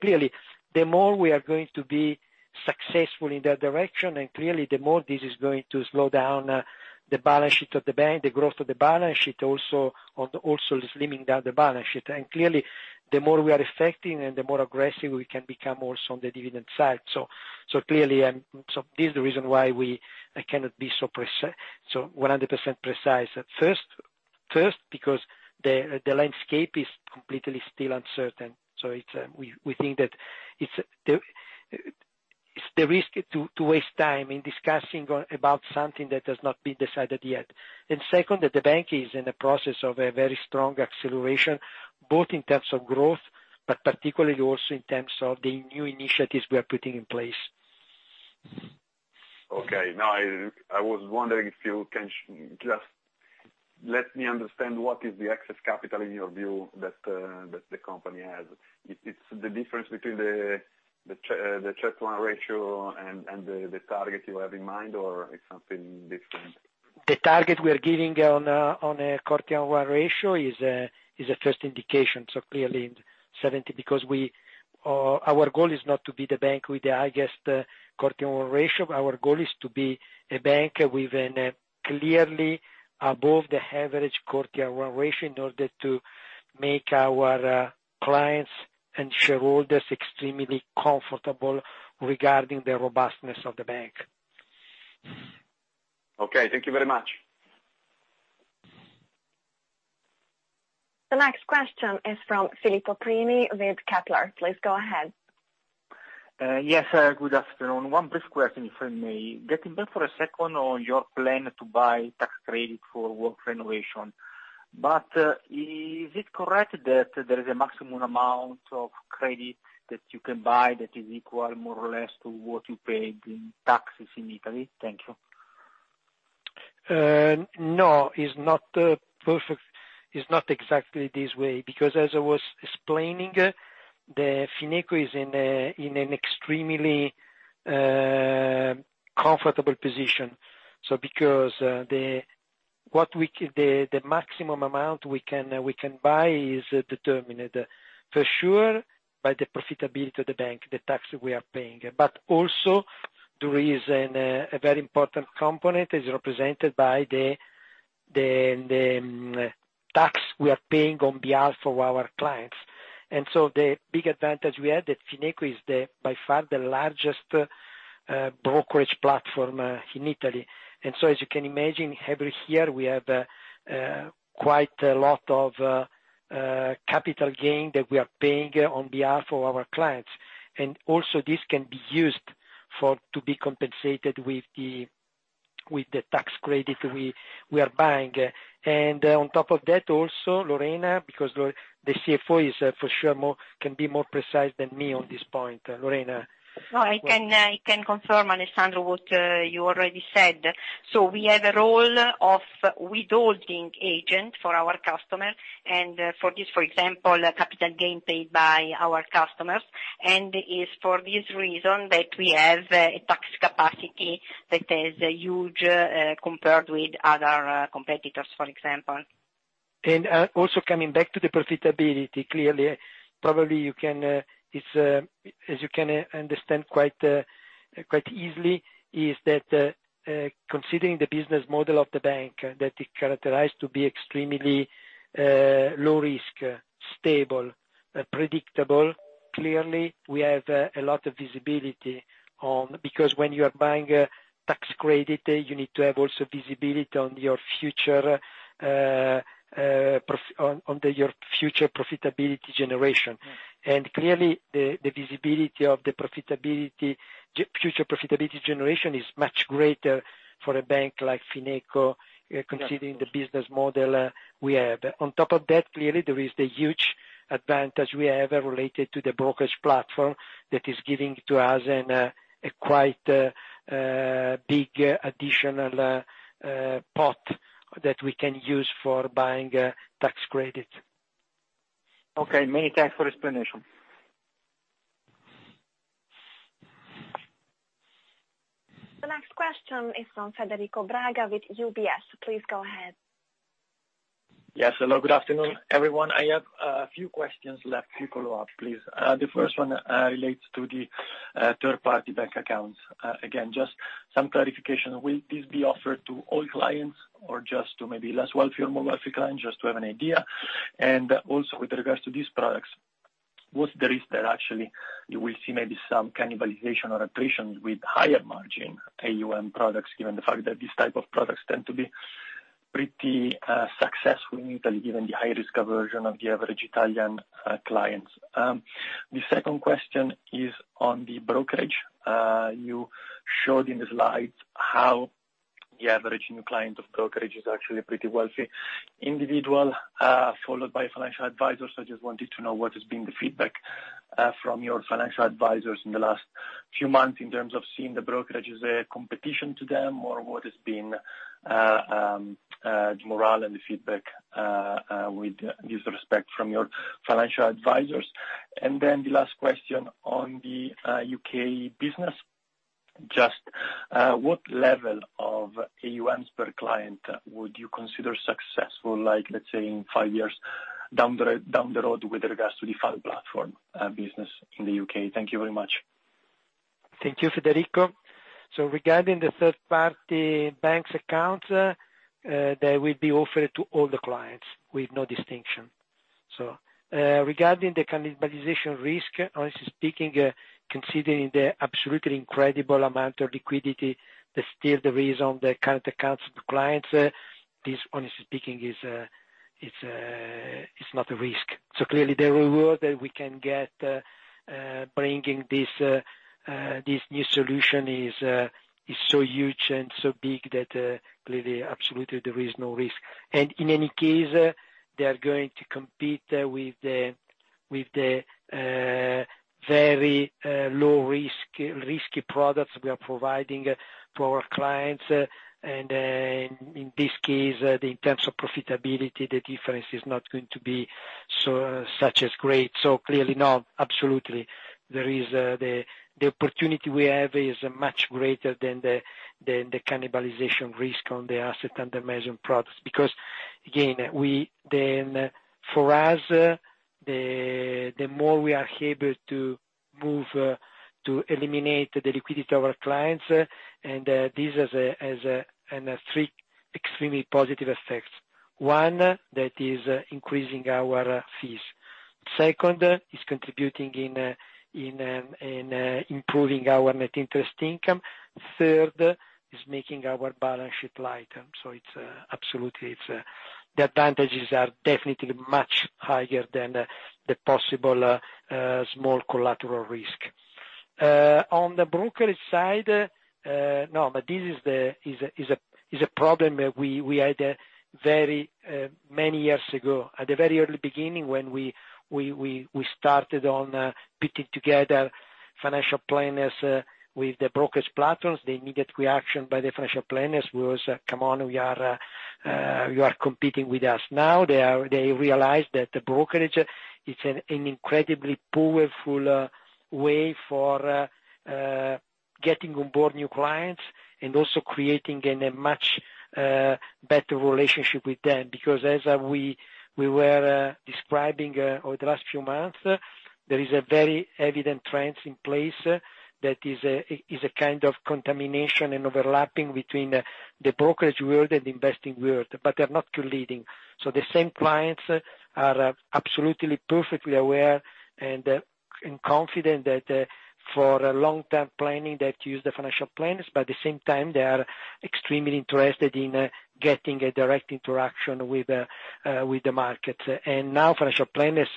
Clearly, the more we are going to be successful in that direction, the more this is going to slow down the balance sheet of the bank, the growth of the balance sheet also slimming down the balance sheet. Clearly, the more we are effective and the more aggressive we can become also on the dividend side. Clearly, this is the reason why we cannot be so 100% precise. First because the landscape is completely still uncertain. It's we think that it's the risk to waste time in discussing about something that has not been decided yet. Second, that the bank is in the process of a very strong acceleration, both in terms of growth, but particularly also in terms of the new initiatives we are putting in place. Okay. Now I was wondering if you can just let me understand what is the excess capital in your view that the company has. It's the difference between the tier one ratio and the target you have in mind, or it's something different? The target we are giving on a Core tier one ratio is a first indication, so clearly 70 because our goal is not to be the bank with the highest Core tier one ratio. Our goal is to be a bank with a clearly above the average Core tier one ratio to make our clients and shareholders extremely comfortable regarding the robustness of the bank. Okay, thank you very much. The next question is from Filippo Prini with Kepler. Please go ahead. Yes, good afternoon. One brief question if I may. Getting back for a second on your plan to buy tax credit for work renovation. Is it correct that there is a maximum amount of credit that you can buy that is equal more or less to what you paid in taxes in Italy? Thank you. No. Is not perfect. Is not exactly this way, because as I was explaining, the Fineco is in a, in an extremely comfortable position. Because the maximum amount we can, we can buy is determined for sure by the profitability of the bank, the tax we are paying. Also there is an a very important component is represented by the, the tax we are paying on behalf of our clients. The big advantage we have that Fineco is the, by far the largest brokerage platform in Italy. As you can imagine, every year we have quite a lot of capital gain that we are paying on behalf of our clients. Also this can be used for, to be compensated with the tax credit we are buying. On top of that also, Lorena, because the CFO is for sure more, can be more precise than me on this point. Lorena. No, I can confirm, Alessandro, what you already said. We have a role of withholding agent for our customer and, for this, for example, a capital gain paid by our customers. It is for this reason that we have a tax capacity that is huge, compared with other competitors, for example. Also coming back to the profitability, clearly, probably you can, as you can understand quite easily, is that considering the business model of the bank, that it characterize to be extremely low risk, stable, predictable. Clearly we have a lot of visibility, because when you are buying a tax credit, you need to have also visibility on your future profitability generation. Clearly, the visibility of the profitability, future profitability generation is much greater for a bank like Fineco, considering the business model we have. On top of that, clearly there is the huge advantage we have related to the brokerage platform that is giving to us a quite big additional pot that we can use for buying tax credits. Okay. Many thanks for explanation. The next question is from Federico Braga with UBS. Please go ahead. Yes. Hello, good afternoon, everyone. I have a few questions left to follow up, please. The first one relates to the third party bank accounts. Again, just some clarification. Will this be offered to all clients or just to maybe less wealthy or more wealthy clients, just to have an idea? Also with regards to these products, what's the risk that actually you will see maybe some cannibalization or attrition with higher margin AUM products, given the fact that these type of products tend to be pretty successful in Italy, given the high risk aversion of the average Italian clients? The second question is on the brokerage. You showed in the slides how the average new client of brokerage is actually a pretty wealthy individual, followed by financial advisors. I just wanted to know what has been the feedback from your financial advisors in the last few months in terms of seeing the brokerage as a competition to them or what has been the morale and the feedback with this respect from your financial advisors. Then the last question on the U.K. business. Just what level of AUMs per client would you consider successful, like let's say in five years down the road with regards to the Fineco platform business in the U.K.? Thank you very much. Thank you, Federico. Regarding the third party banks accounts, they will be offered to all the clients with no distinction. Regarding the cannibalization risk, honestly speaking, considering the absolutely incredible amount of liquidity that still there is on the current accounts of the clients, this honestly speaking is not a risk. Clearly the reward that we can get bringing this new solution is so huge and so big that clearly absolutely there is no risk. In any case, they are going to compete with the very low risk, risky products we are providing for our clients. In this case, in terms of profitability, the difference is not going to be so such as great. Clearly no, absolutely there is the opportunity we have is much greater than the cannibalization risk on the Assets Under Management products. Again, we then, for us, the more we are able to move to eliminate the liquidity of our clients, this has a, an extremely positive effects. One, that is increasing our fees. Second, is contributing in improving our net interest income. Third, is making our balance sheet lighter. It's absolutely, it's the advantages are definitely much higher than the possible small collateral risk. On the brokerage side, no, but this is a problem that we had very many years ago. At the very early beginning when we started on putting together financial planners with the brokerage platforms, the immediate reaction by the financial planners was, "Come on, we are, you are competing with us." They realize that the brokerage is an incredibly powerful way for getting on board new clients and also creating a much better relationship with them. As we were describing over the last few months, there is a very evident trends in place that is a kind of contamination and overlapping between the brokerage world and investing world, but they're not too leading. The same clients are absolutely perfectly aware and confident that for long-term planning, they have to use the financial planners, but at the same time, they are extremely interested in getting a direct interaction with the market. Now financial planners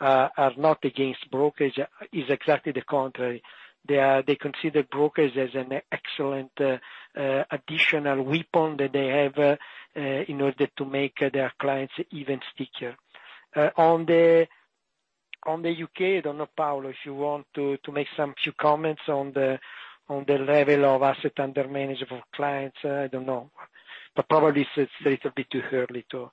are not against brokerage. It is exactly the contrary. They consider brokerage as an excellent additional weapon that they have in order to make their clients even stickier. On the U.K., I don't know, Paolo, if you want to make some few comments on the level Assets Under Management clients. I don't know. Probably it's a little bit too early to.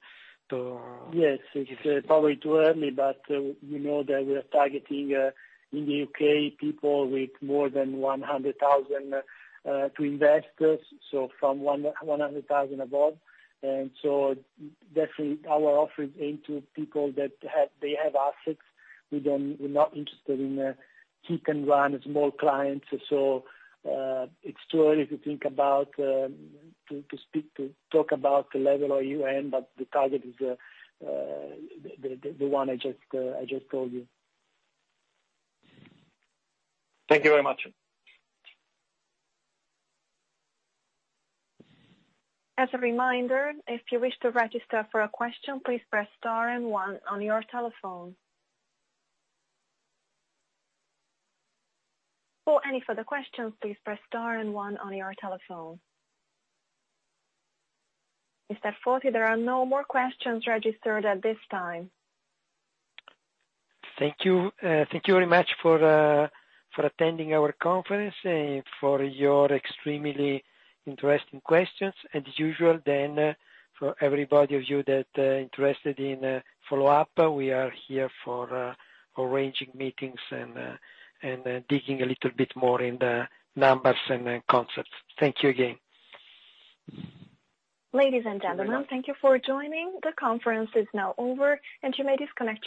Yes, it is probably too early, we know that we're targeting in the U.K., people with more than 100,000 to invest. From 100,000 above. Definitely our offer is into people that have assets. We're not interested in who can run small clients. It's too early to think about to talk about the level of AUM, but the target is the one I just told you. Thank you very much. As a remainder if you wish to register for a question, please press star and one on your telephone. For any of the question please star one on your telephone. Mr. Foti, there are no more questions registered at this time. Thank you. Thank you very much for attending our conference and for your extremely interesting questions. As usual, for everybody of you that interested in follow-up, we are here for arranging meetings and digging a little bit more in the numbers and the concepts. Thank you again. Ladies and gentlemen, thank you for joining. The conference is now over, and you may disconnect your lines.